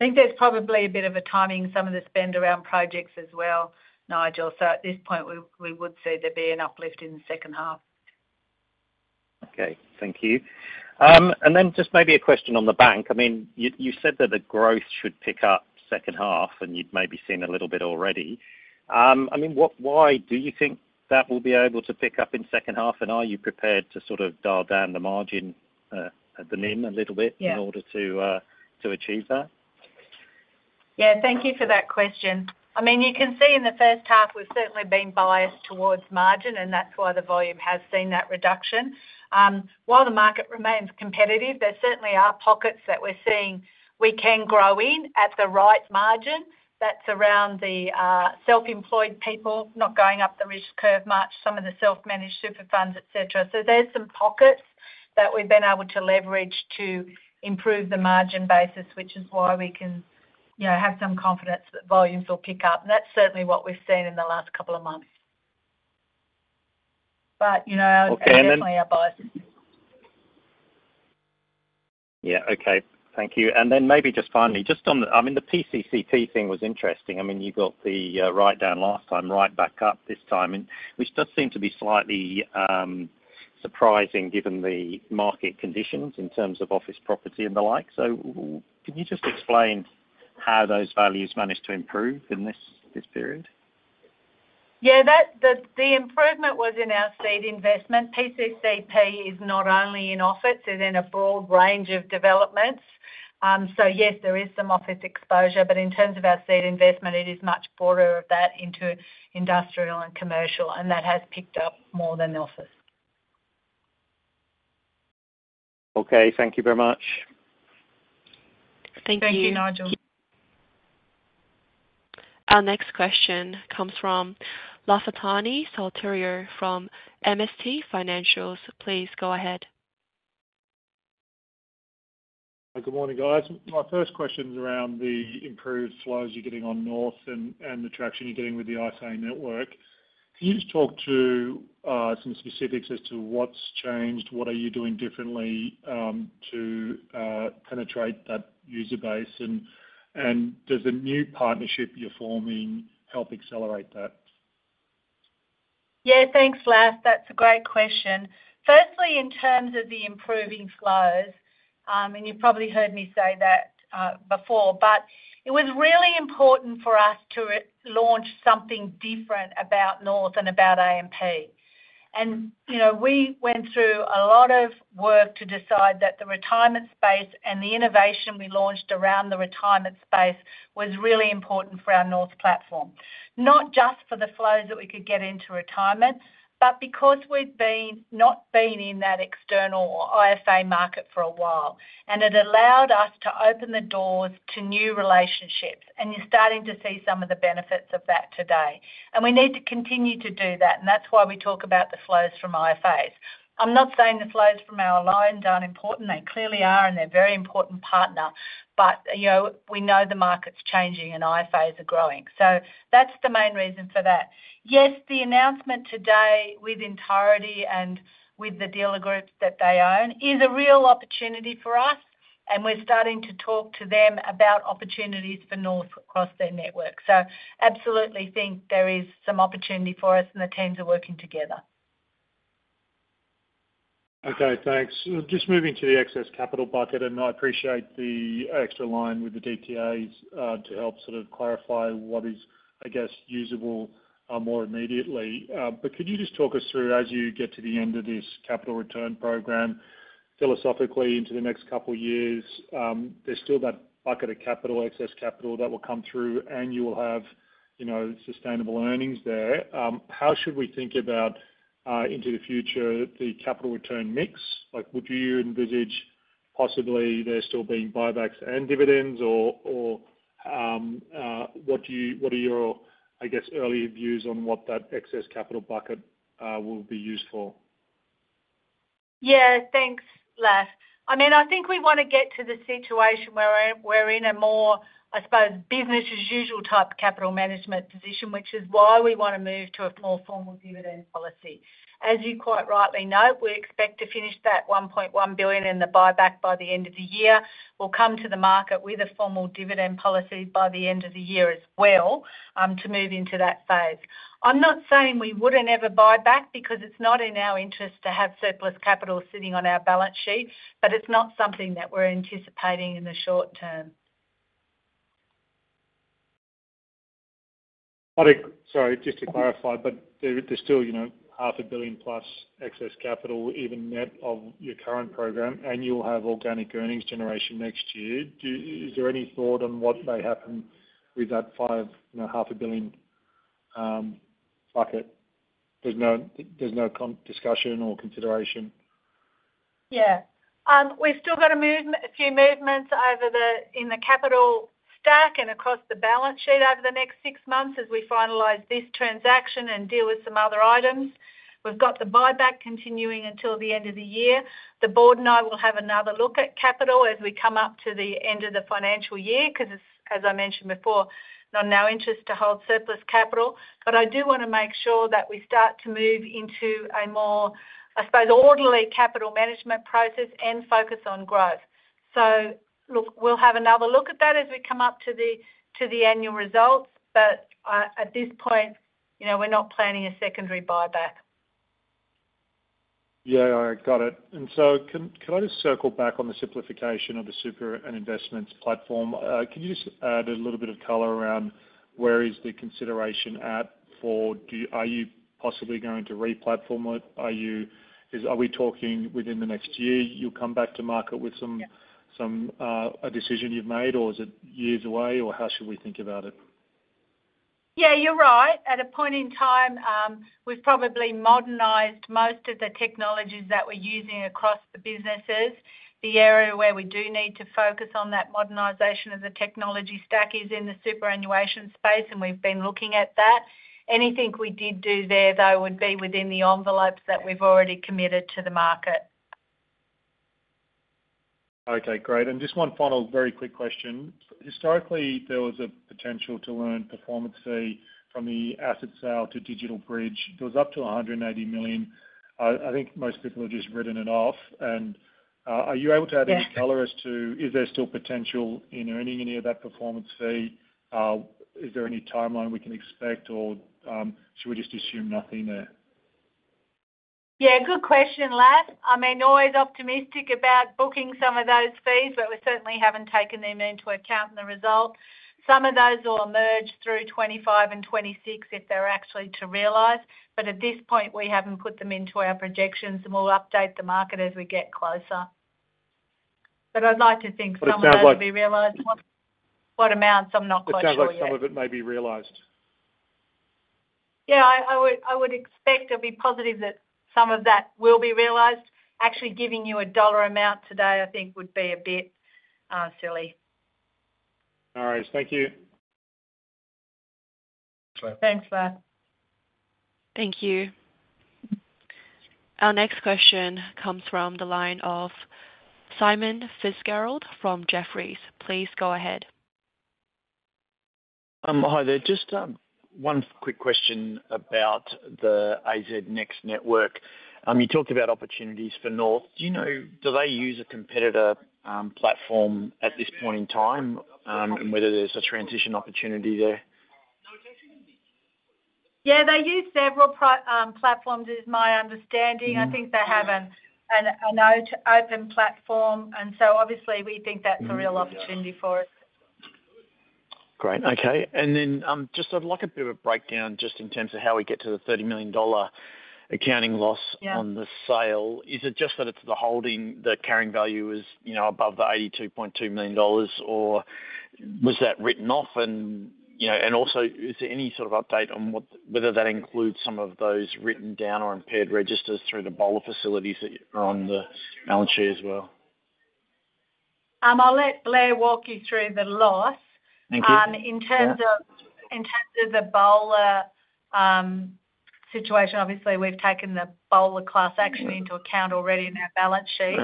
I think that's probably a bit of a timing, some of the spend around projects as well, Nigel. At this point, we would see there being an uplift in the second half. Okay, thank you. And then just maybe a question on the Bank. I mean, you said that the growth should pick up second half, and you've maybe seen a little bit already. I mean, why do you think that will be able to pick up in second half? And are you prepared to sort of dial down the margin at the NIM a little bit in order to achieve that? Yeah, thank you for that question. I mean, you can see in the first half, we've certainly been biased towards margin, and that's why the volume has seen that reduction. While the market remains competitive, there certainly are pockets that we're seeing we can grow in at the right margin. That's around the self-employed people not going up the risk curve much, some of the self-managed super funds, et cetera. So there's some pockets that we've been able to leverage to improve the margin basis, which is why we can have some confidence that volumes will pick up. And that's certainly what we've seen in the last couple of months. But certainly our bias. Yeah, okay. Thank you. And then maybe just finally, just on the, I mean, the PCCP thing was interesting. I mean, you got the write-down last time, right back up this time, which does seem to be slightly surprising given the market conditions in terms of office property and the like. So can you just explain how those values managed to improve in this period? Yeah, the improvement was in our seed investment. PCCP is not only in office, it's in a broad range of developments. So yes, there is some office exposure, but in terms of our seed investment, it is much broader of that into industrial and commercial, and that has picked up more than the office. Okay, thank you very much. Thank you, Nigel. Our next question comes from Lafitani Sotiriou from MST Financial. Please go ahead. Good morning, guys. My first question is around the improved flows you're getting on North and the traction you're getting with the IFA network. Can you just talk to some specifics as to what's changed? What are you doing differently to penetrate that user base? And does the new partnership you're forming help accelerate that? Yeah, thanks, Laf. That's a great question. Firstly, in terms of the improving flows, and you've probably heard me say that before, but it was really important for us to launch something different about North and about AMP. We went through a lot of work to decide that the retirement space and the innovation we launched around the retirement space was really important for our North platform. Not just for the flows that we could get into retirement, but because we've not been in that external or IFA market for a while. It allowed us to open the doors to new relationships. You're starting to see some of the benefits of that today. We need to continue to do that. That's why we talk about the flows from IFAs. I'm not saying the flows from ours alone aren't important. They clearly are, and they're a very important partner. But we know the market's changing, and IFAs are growing. That's the main reason for that. Yes, the announcement today with Entireti and with the dealer Group that they own is a real opportunity for us. And we're starting to talk to them about opportunities for North across their network. So absolutely think there is some opportunity for us, and the teams are working together. Okay, thanks. Just moving to the excess capital bucket, and I appreciate the extra line with the DTAs to help sort of clarify what is, I guess, usable more immediately. But could you just talk us through, as you get to the end of this capital return program, philosophically into the next couple of years, there's still that bucket of capital, excess capital that will come through, and you will have sustainable earnings there. How should we think about into the future the capital return mix? Would you envisage possibly there still being buybacks and dividends, or what are your, I guess, earlier views on what that excess capital bucket will be used for? Yeah, thanks, Laf. I mean, I think we want to get to the situation where we're in a more, I suppose, business-as-usual type capital management position, which is why we want to move to a more formal dividend policy. As you quite rightly note, we expect to finish that 1.1 billion in the buyback by the end of the year. We'll come to the market with a formal dividend policy by the end of the year as well to move into that phase. I'm not saying we wouldn't ever buy back because it's not in our interest to have surplus capital sitting on our balance sheet, but it's not something that we're anticipating in the short term. Sorry, just to clarify, but there's still 500 million+ excess capital, even net of your current program, and you'll have organic earnings generation next year. Is there any thought on what may happen with that 500 million bucket? There's no discussion or consideration. Yeah. We've still got a few movements in the capital stack and across the balance sheet over the next six months as we finalize this transaction and deal with some other items. We've got the buyback continuing until the end of the year. The board and I will have another look at capital as we come up to the end of the financial year because, as I mentioned before, not in our interest to hold surplus capital. But I do want to make sure that we start to move into a more, I suppose, orderly capital management process and focus on growth. So we'll have another look at that as we come up to the annual results. But at this point, we're not planning a secondary buyback. Yeah, I got it. And so can I just circle back on the simplification of the Super and Investments platform? Can you just add a little bit of color around where is the consideration at for, are you possibly going to replatform it? Are we talking within the next year you'll come back to market with a decision you've made, or is it years away, or how should we think about it? Yeah, you're right. At a point in time, we've probably modernized most of the technologies that we're using across the businesses. The area where we do need to focus on that modernization of the technology stack is in the superannuation space, and we've been looking at that. Anything we did do there, though, would be within the envelopes that we've already committed to the market. Okay, great. And just one final very quick question. Historically, there was a potential to earn performance fee from the asset sale to DigitalBridge. There was up to 180 million. I think most people have just written it off. And are you able to add any color as to is there still potential in earning any of that performance fee? Is there any timeline we can expect, or should we just assume nothing there? Yeah, good question, Laf. I mean, always optimistic about booking some of those fees, but we certainly haven't taken them into account in the result. Some of those will emerge through 2025 and 2026 if they're actually to realize. But at this point, we haven't put them into our projections, and we'll update the market as we get closer. But I'd like to think some of that will be realized. What amounts? I'm not quite sure. Some of it may be realized. Yeah, I would expect it would be positive that some of that will be realized. Actually giving you a dollar amount today, I think, would be a bit silly. All right, thank you. Thanks, Laf. Thank you. Our next question comes from the line of Simon Fitzgerald from Jefferies. Please go ahead. Hi there. Just one quick question about the AZ NGA network. You talked about opportunities for North. Do you know, do they use a competitor platform at this point in time and whether there's a transition opportunity there? Yeah, they use several platforms, is my understanding. I think they have an open platform. And so obviously, we think that's a real opportunity for it. Great. Okay. And then just I'd like a bit of a breakdown just in terms of how we get to the 30 million dollar accounting loss on the sale. Is it just that it's the holding, the carrying value is above the 82.2 million dollars, or was that written off? And also, is there any sort of update on whether that includes some of those written down or impaired registers through the BOLR facilities that are on the balance sheet as well? I'll let Blair walk you through the loss. In terms of the BOLR situation, obviously, we've taken the BOLR class action into account already in our balance sheet,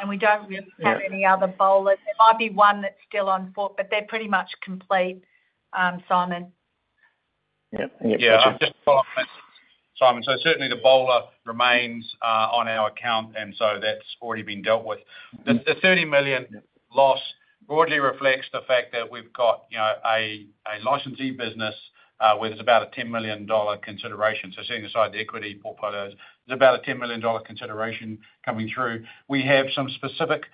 and we don't have any other BOLRs. There might be one that's still on board, but they're pretty much complete, Simon. Yeah. Yeah. Simon. So certainly, the BOLR remains on our account, and so that's already been dealt with. The 30 million loss broadly reflects the fact that we've got a licensee business where there's about a 10 million dollar consideration. So setting aside the equity portfolio, there's about a 10 million dollar consideration coming through. We have some specific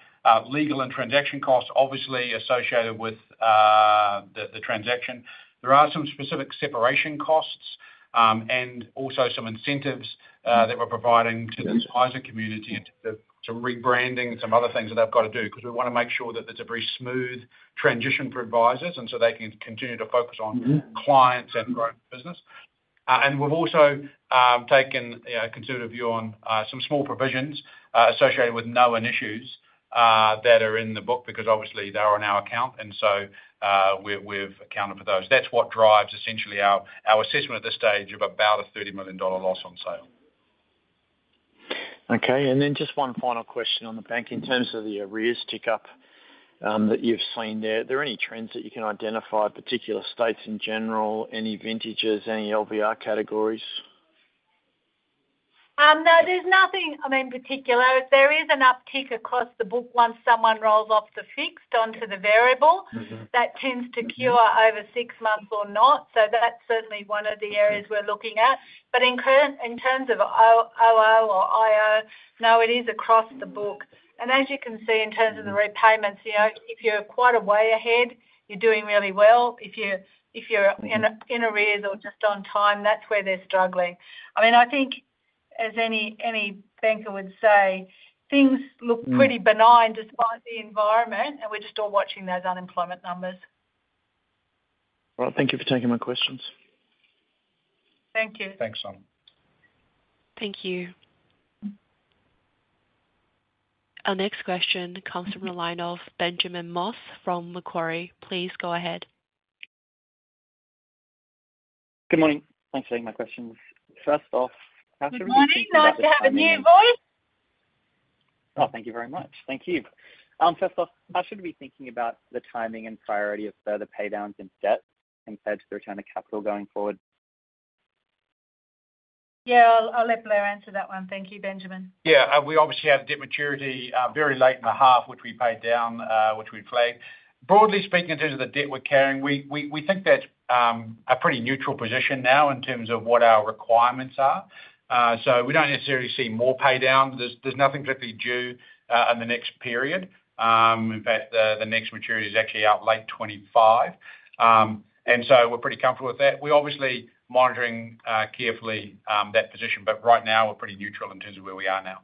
legal and transaction costs, obviously, associated with the transaction. There are some specific separation costs and also some incentives that we're providing to the advisor community, some rebranding, some other things that I've got to do because we want to make sure that there's a very smooth transition for advisors and so they can continue to focus on clients and growth business. And we've also taken a conservative view on some small provisions associated with known issues that are in the book because obviously, they're on our account, and so we've accounted for those. That's what drives essentially our assessment at this stage of about 30 million dollar loss on sale. Okay. And then just one final question on the Bank in terms of the arrears tick up that you've seen there. Are there any trends that you can identify, particular states in general, any vintages, any LVR categories? No, there's nothing I mean particular. There is an uptick across the book once someone rolls off the fixed onto the variable. That tends to cure over six months or not. So that's certainly one of the areas we're looking at. But in terms of OO or IO, no, it is across the book. And as you can see, in terms of the repayments, if you're quite a way ahead, you're doing really well. If you're in arrears or just on time, that's where they're struggling. I mean, I think, as any banker would say, things look pretty benign despite the environment, and we're just all watching those unemployment numbers. All right. Thank you for taking my questions. Thank you. Thanks, Simon. Thank you. Our next question comes from the line of Benjamin Moss from Macquarie. Please go ahead. Good morning. Thanks for taking my questions. First off, how should we. Good morning. Nice to have a new voice. Oh, thank you very much. Thank you. First off, how should we be thinking about the timing and priority of further paydowns and debts and perhaps the return of capital going forward? Yeah, I'll let Blair answer that one. Thank you, Benjamin. Yeah, we obviously have debt maturity very late in the half, which we paid down, which we've played. Broadly speaking, in terms of the debt we're carrying, we think that's a pretty neutral position now in terms of what our requirements are. So we don't necessarily see more paydown. There's nothing particularly due in the next period. In fact, the next maturity is actually out late 2025. And so we're pretty comfortable with that. We're obviously monitoring carefully that position, but right now, we're pretty neutral in terms of where we are now.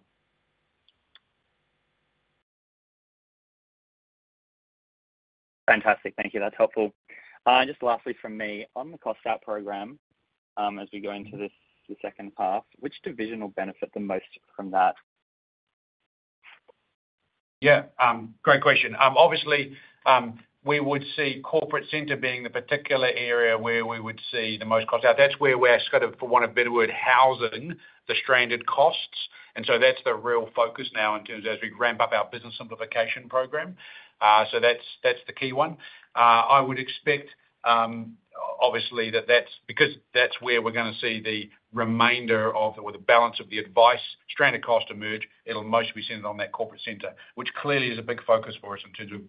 Fantastic. Thank you. That's helpful. Just lastly from me, on the cost-out program, as we go into the second half, which division will benefit the most from that? Yeah, great question. Obviously, we would see Corporate Centre being the particular area where we would see the most cost-out. That's where we're sort of, for want of a better word, housing the stranded costs. And so that's the real focus now in terms of as we ramp up our business simplification program. So that's the key one. I would expect, obviously, that that's because that's where we're going to see the remainder of the balance of the Advice stranded cost emerge. It'll mostly be centered on that Corporate Centre which clearly is a big focus for us in terms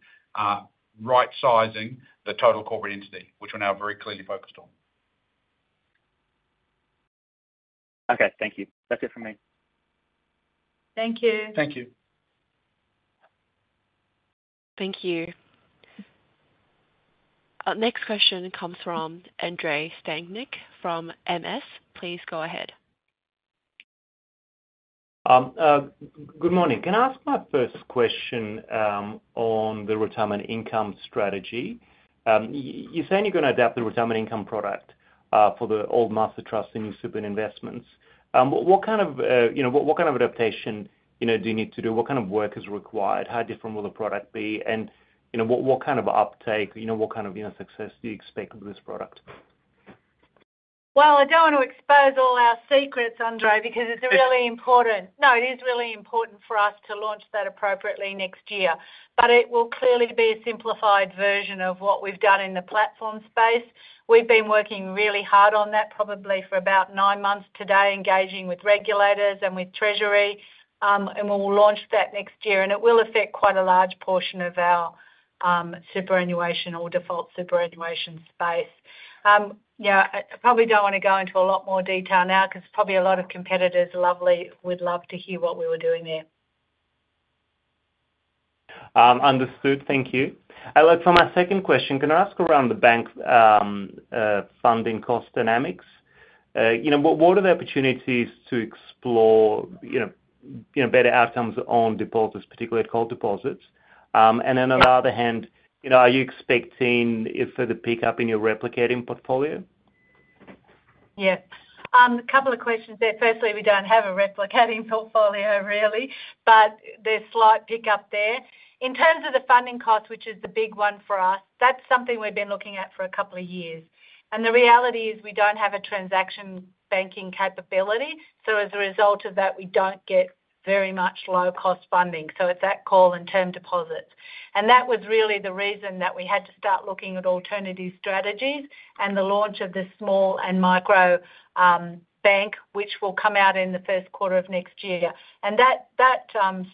of right-sizing the total corporate entity, which we're now very clearly focused on. Okay. Thank you. That's it from me. Thank you. Thank you. Thank you. Our next question comes from Andrei Stadnik from Morgan Stanley. Please go ahead. Good morning. Can I ask my first question on the retirement income strategy? You're saying you're going to adapt the retirement income product for the old Master Trust and your Super and Investments. What kind of, what kind of adaptation do you need to do? What kind of work is required? How different will the product be? And what kind of uptake, what kind of success do you expect with this product? Well, I don't want to expose all our secrets, Andrei, because it's really important. No, it is really important for us to launch that appropriately next year. But it will clearly be a simplified version of what we've done in the platform space. We've been working really hard on that, probably for about nine months today, engaging with regulators and with Treasury. And we'll launch that next year. And it will affect quite a large portion of our superannuation or default superannuation space. I probably don't want to go into a lot more detail now because probably a lot of competitors would love to hear what we were doing there. Understood. Thank you. From my second question, can I ask around the Bank funding cost dynamics? What are the opportunities to explore better outcomes on deposits, particularly cold deposits? And then on the other hand, are you expecting further pickup in your replicating portfolio? Yeah. A couple of questions there. Firstly, we don't have a replicating portfolio, really, but there's slight pickup there. In terms of the funding cost, which is the big one for us, that's something we've been looking at for a couple of years. And the reality is we don't have a transaction banking capability. So as a result of that, we don't get very much low-cost funding. So it's that call in term deposits. And that was really the reason that we had to start looking at alternative strategies and the launch of the small and micro bank, which will come out in the first quarter of next year. And that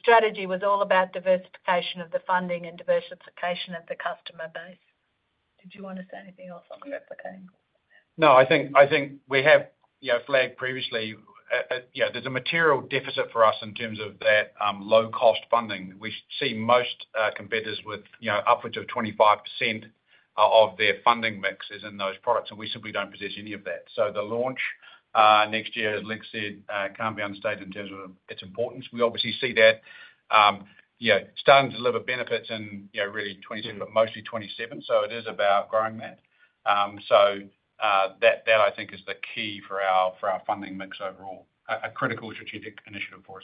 strategy was all about diversification of the funding and diversification of the customer base. Did you want to say anything else on the replicating? No, I think we have flagged previously. There's a material deficit for us in terms of that low-cost funding. We see most competitors with upwards of 25% of their funding mixes in those products, and we simply don't possess any of that. So the launch next year, as Lex said, can't be understated in terms of its importance. We obviously see that starting to deliver benefits in really 2027, but mostly 2027. So it is about growing that. So that, I think, is the key for our funding mix overall, a critical strategic initiative for us.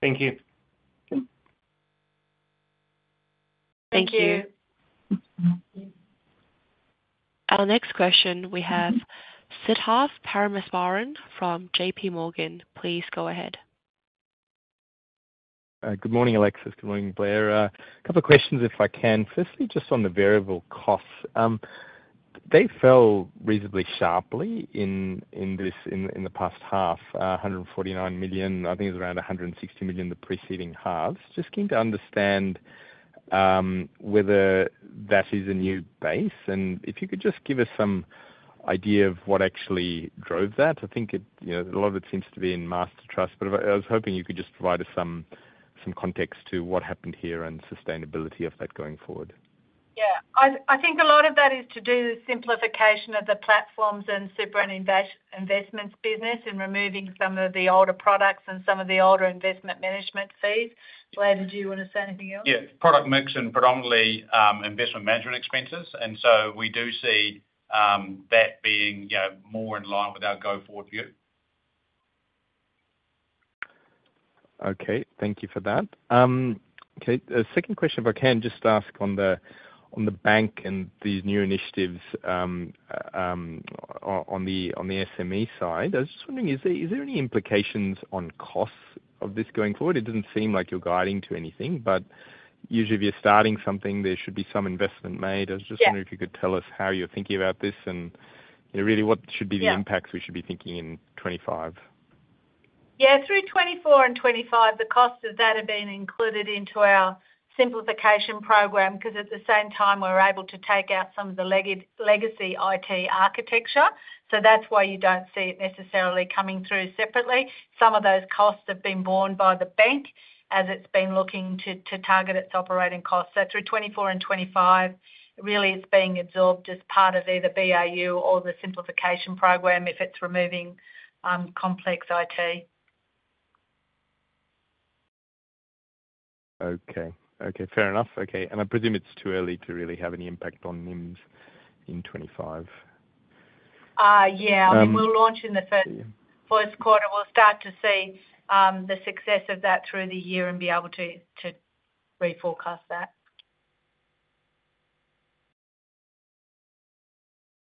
Thank you. Thank you. Our next question we have Siddharth Parameswaran from JPMorgan. Please go ahead. Good morning, Alexis. Good morning, Blair. A couple of questions, if I can. Firstly, just on the variable costs. They fell reasonably sharply in the past half, 149 million. I think it was around 160 million the preceding halves. Just keen to understand whether that is a new base. And if you could just give us some idea of what actually drove that. I think a lot of it seems to be in Master Trust, but I was hoping you could just provide us some context to what happened here and sustainability of that going forward. Yeah. I think a lot of that is to do with simplification of the Platforms and Super and Investments business and removing some of the older products and some of the older investment management fees. Blair, did you want to say anything else? Yeah. Product mix and predominantly investment management expenses. And so we do see that being more in line with our go-forward view. Okay. Thank you for that. Okay. The second question, if I can, just to ask on the Bank and these new initiatives on the SME side. I was just wondering, is there any implications on costs of this going forward? It doesn't seem like you're guiding to anything, but usually, if you're starting something, there should be some investment made. I was just wondering if you could tell us how you're thinking about this and really what should be the impacts we should be thinking in 2025. Yeah. Through 2024 and 2025, the costs of that have been included into our simplification program because at the same time, we're able to take out some of the legacy IT architecture. So that's why you don't see it necessarily coming through separately. Some of those costs have been borne by the Bank as it's been looking to target its operating costs. So through 2024 and 2025, really, it's being absorbed as part of either BAU or the simplification program if it's removing complex IT. Okay. Okay. Fair enough. Okay. And I presume it's too early to really have any NPAT on NIMs in 2025. Yeah. We'll launch in the first quarter. We'll start to see the success of that through the year and be able to reforecast that.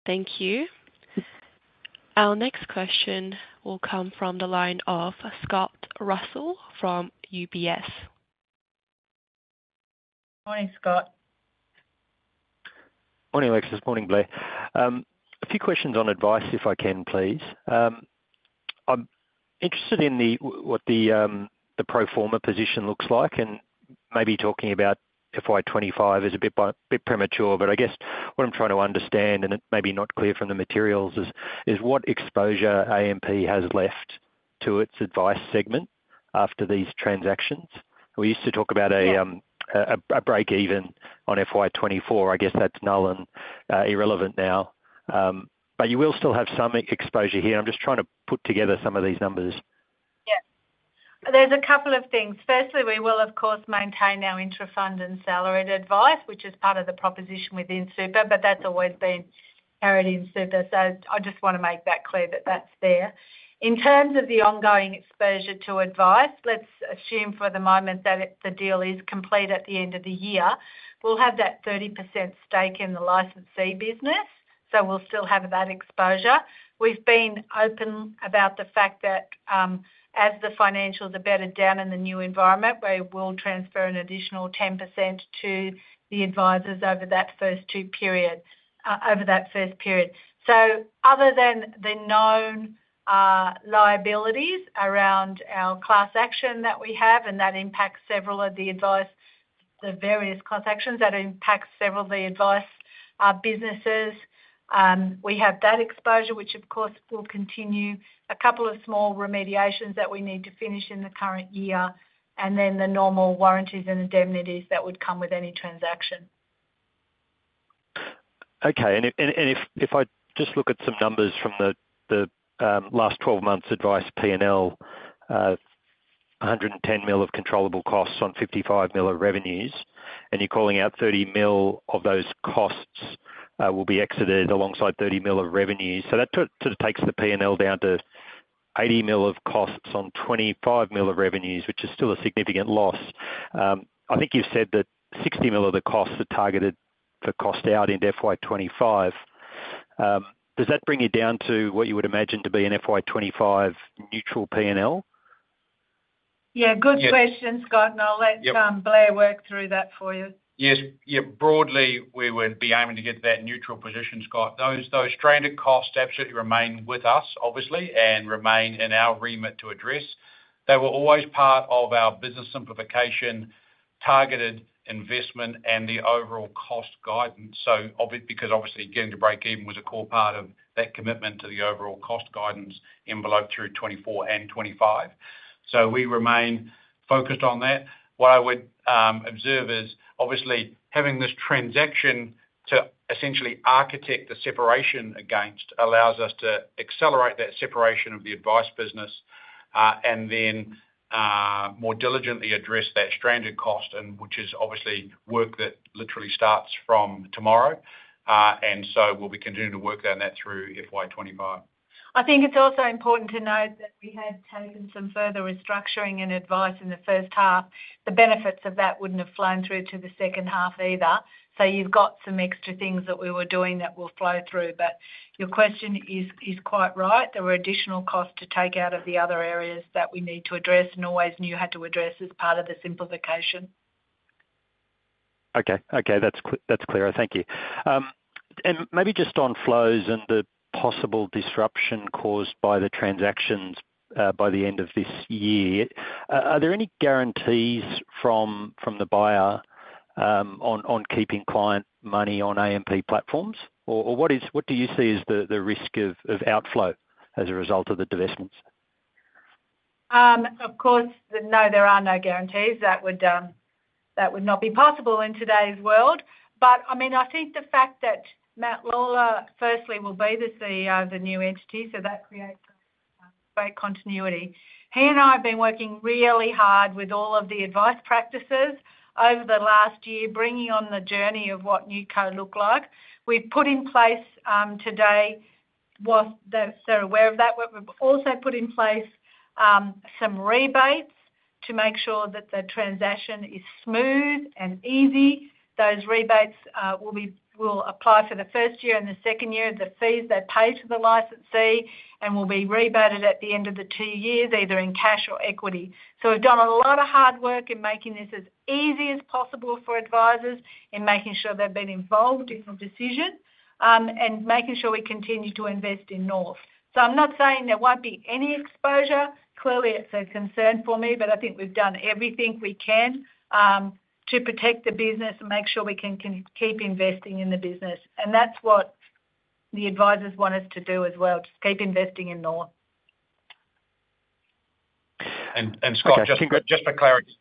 Thank you. Our next question will come from the line of Scott Russell from UBS. Morning, Scott. Morning, Alexis. Morning, Blair. A few questions on Advice, if I can, please. I'm interested in what the pro forma position looks like and maybe talking about FY 2025 is a bit premature, but I guess what I'm trying to understand, and it may be not clear from the materials, is what exposure AMP has left to its Advice segment after these transactions. We used to talk about a break-even on FY 2024. I guess that's null and irrelevant now. But you will still have some exposure here. I'm just trying to put together some of these numbers. Yeah. There's a couple of things. Firstly, we will, of course, maintain our intrafund and salaried Advice, which is part of the proposition within Super, but that's always been carried in Super. So I just want to make that clear that that's there. In terms of the ongoing exposure to Advice, let's assume for the moment that the deal is complete at the end of the year. We'll have that 30% stake in the licensee business, so we'll still have that exposure. We've been open about the fact that as the financials are bedded down in the new environment, we will transfer an additional 10% to the advisors over that first two period, over that first period. So other than the known liabilities around our class action that we have, and that impacts several of the Advice, the various class actions that impact several of the Advice businesses, we have that exposure, which, of course, will continue a couple of small remediations that we need to finish in the current year, and then the normal warranties and indemnities that would come with any transaction. Okay. If I just look at some numbers from the last 12 months' Advice P&L, 110 million of controllable costs on 55 million of revenues, and you're calling out 30 million of those costs will be exited alongside 30 million of revenues. That sort of takes the P&L down to 80 million of costs on 25 million of revenues, which is still a significant loss. I think you've said that 60 million of the costs are targeted for cost out in FY 2025. Does that bring you down to what you would imagine to be an FY 2025 neutral P&L? Yeah. Good question, Scott. I'll let Blair work through that for you. Yes. Yeah. Broadly, we would be aiming to get that neutral position, Scott. Those stranded costs absolutely remain with us, obviously, and remain in our remit to address. They were always part of our business simplification, targeted investment, and the overall cost guidance. So obviously, because obviously getting to break-even was a core part of that commitment to the overall cost guidance envelope through 2024 and 2025. So we remain focused on that. What I would observe is, obviously, having this transaction to essentially architect the separation against allows us to accelerate that separation of the Advice business and then more diligently address that stranded cost, which is obviously work that literally starts from tomorrow. And so we'll be continuing to work on that through FY 2025. I think it's also important to note that we had taken some further restructuring and Advice in the first half. The benefits of that wouldn't have flowed through to the second half either. So you've got some extra things that we were doing that will flow through. Your question is quite right. There were additional costs to take out of the other areas that we need to address and always knew had to address as part of the simplification. Okay. Okay. That's clearer. Thank you. Maybe just on flows and the possible disruption caused by the transactions by the end of this year, are there any guarantees from the buyer on keeping client money on AMP Platforms? Or what do you see as the risk of outflow as a result of the divestments? Of course, no, there are no guarantees. That would not be possible in today's world. I mean, I think the fact that Matt Lawler, firstly, will be the CEO of the new entity, so that creates great continuity. He and I have been working really hard with all of the Advice practices over the last year, bringing on the journey of what new could look like. We've put in place today what they're aware of that. We've also put in place some rebates to make sure that the transaction is smooth and easy. Those rebates will apply for the first year and the second year, the fees they pay to the licensee, and will be rebated at the end of the two years, either in cash or equity. So we've done a lot of hard work in making this as easy as possible for advisors in making sure they've been involved in the decision and making sure we continue to invest in North. So I'm not saying there won't be any exposure. Clearly, it's a concern for me, but I think we've done everything we can to protect the business and make sure we can keep investing in the business. And that's what the advisors want us to do as well, just keep investing in North. And Scott, just for clarity,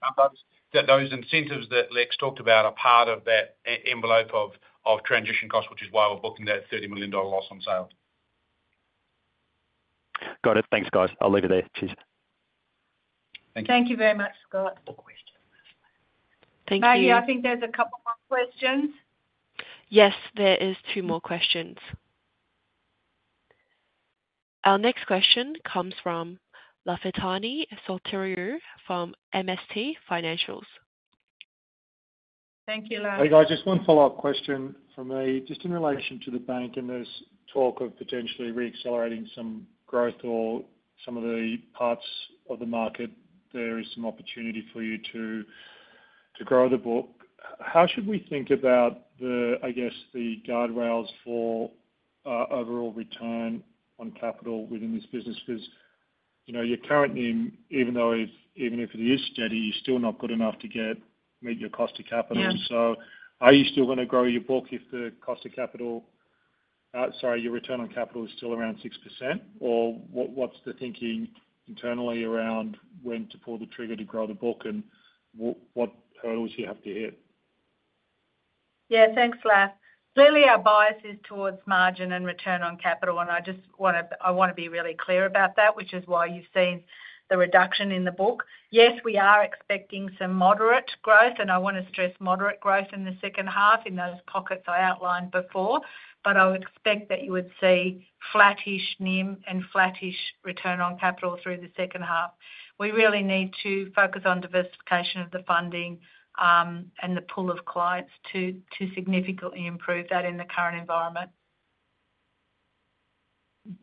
that those incentives that Lex talked about are part of that envelope of transition costs, which is why we're booking that 30 million dollar loss on sale. Got it. Thanks, guys. I'll leave it there. Cheers. Thank you. Thank you very much, Scott. Thank you. Yeah, I think there's a couple more questions. Yes, there are two more questions. Our next question comes from Lafitani Sotiriou from MST Financial. Thank you, Laf. Hey, guys, just one follow-up question from me. Just in relation to the Bank, and there's talk of potentially reaccelerating some growth or some of the parts of the market, there is some opportunity for you to grow the book. How should we think about, I guess, the guardrails for overall return on capital within this business? Because you're currently, even though even if it is steady, you're still not good enough to meet your cost of capital. And so are you still going to grow your book if the cost of capital, sorry, your return on capital is still around 6%? Or what's the thinking internally around when to pull the trigger to grow the book and what hurdles you have to hit? Yeah, thanks, Laf. Clearly, our bias is towards margin and return on capital, and I just want to be really clear about that, which is why you've seen the reduction in the book. Yes, we are expecting some moderate growth, and I want to stress moderate growth in the second half in those pockets I outlined before, but I would expect that you would see flattish NIM and flattish return on capital through the second half. We really need to focus on diversification of the funding and the pull of clients to significantly improve that in the current environment.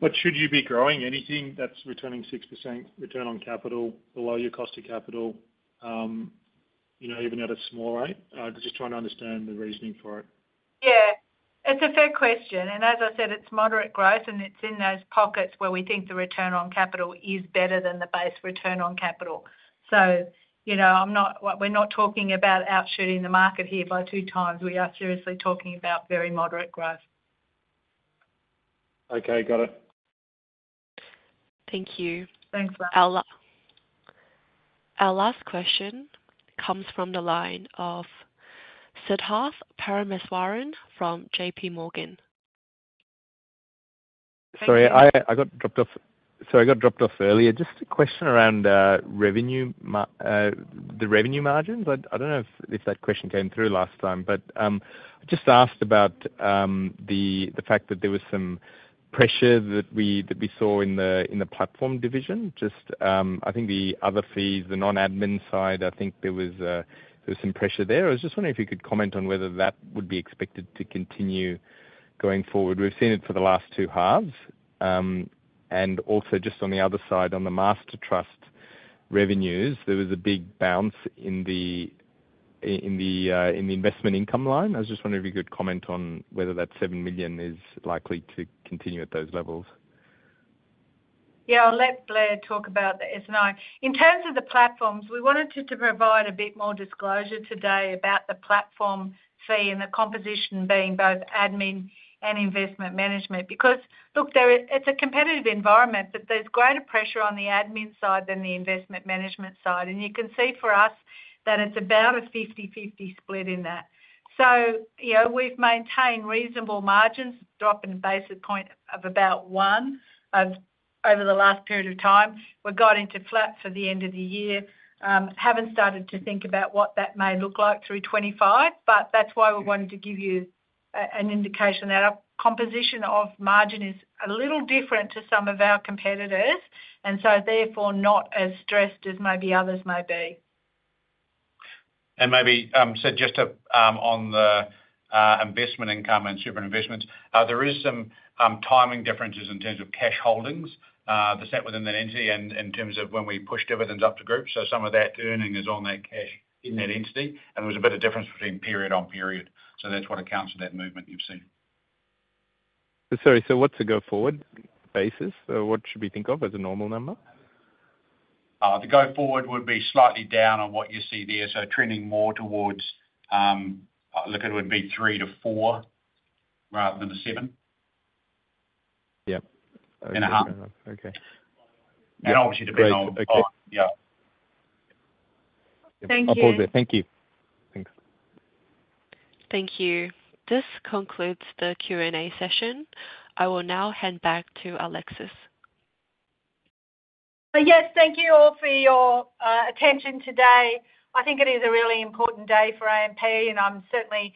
But should you be growing anything that's returning 6% return on capital below your cost of capital, even at a small rate? I was just trying to understand the reasoning for it. Yeah. It's a fair question. And as I said, it's moderate growth, and it's in those pockets where we think the return on capital is better than the base return on capital. So we're not talking about outshooting the market here by 2x. We are seriously talking about very moderate growth. Okay. Got it. Thank you. Thanks, Laf. Our last question comes from the line of Siddharth Parameswaran from JPMorgan. Sorry, I got dropped off. Sorry, I got dropped off earlier. Just a question around the revenue margins. I don't know if that question came through last time, but I just asked about the fact that there was some pressure that we saw in the platform division. Just I think the other fees, the non-admin side, I think there was some pressure there. I was just wondering if you could comment on whether that would be expected to continue going forward. We've seen it for the last two halves. And also, just on the other side, on the Master Trust revenues, there was a big bounce in the investment income line. I was just wondering if you could comment on whether that 7 million is likely to continue at those levels. Yeah. I'll let Blair talk about this, and in terms of the Platforms, we wanted to provide a bit more disclosure today about the platform fee and the composition being both admin and investment management. Because, look, it's a competitive environment, but there's greater pressure on the admin side than the investment management side. And you can see for us that it's about a 50/50 split in that. So we've maintained reasonable margins, dropping the basis point of about one over the last period of time. We're going into flat for the end of the year. Haven't started to think about what that may look like through 2025, but that's why we're wanting to give you an indication that our composition of margin is a little different to some of our competitors, and so therefore not as stressed as maybe others may be. Maybe, so just on the investment income and Super and Investments, there are some timing differences in terms of cash holdings that sat within that entity and in terms of when we pushed dividends up to Group. So some of that earning is on that cash in that entity, and there was a bit of difference between period on period. So that's what accounts for that movement you've seen. Sorry. So what's the go forward basis? What should we think of as a normal number? The go forward would be slightly down on what you see there. So trending more towards looking at it would be 3-4 rather than 7.5. Okay. And obviously the big one. Yeah. Thank you. Thank you. Thanks. Thank you. This concludes the Q&A session. I will now hand back to Alexis. Yes. Thank you all for your attention today. I think it is a really important day for AMP, and I'm certainly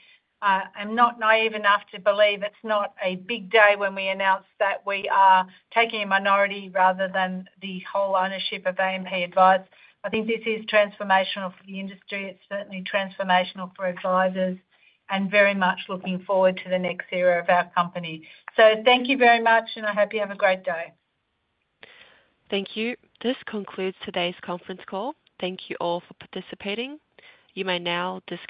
not naive enough to believe it's not a big day when we announced that we are taking a minority rather than the whole ownership of AMP Advice. I think this is transformational for the industry. It's certainly transformational for advisors and very much looking forward to the next era of our company. So thank you very much, and I hope you have a great day. Thank you. This concludes today's conference call. Thank you all for participating. You may now disconnect.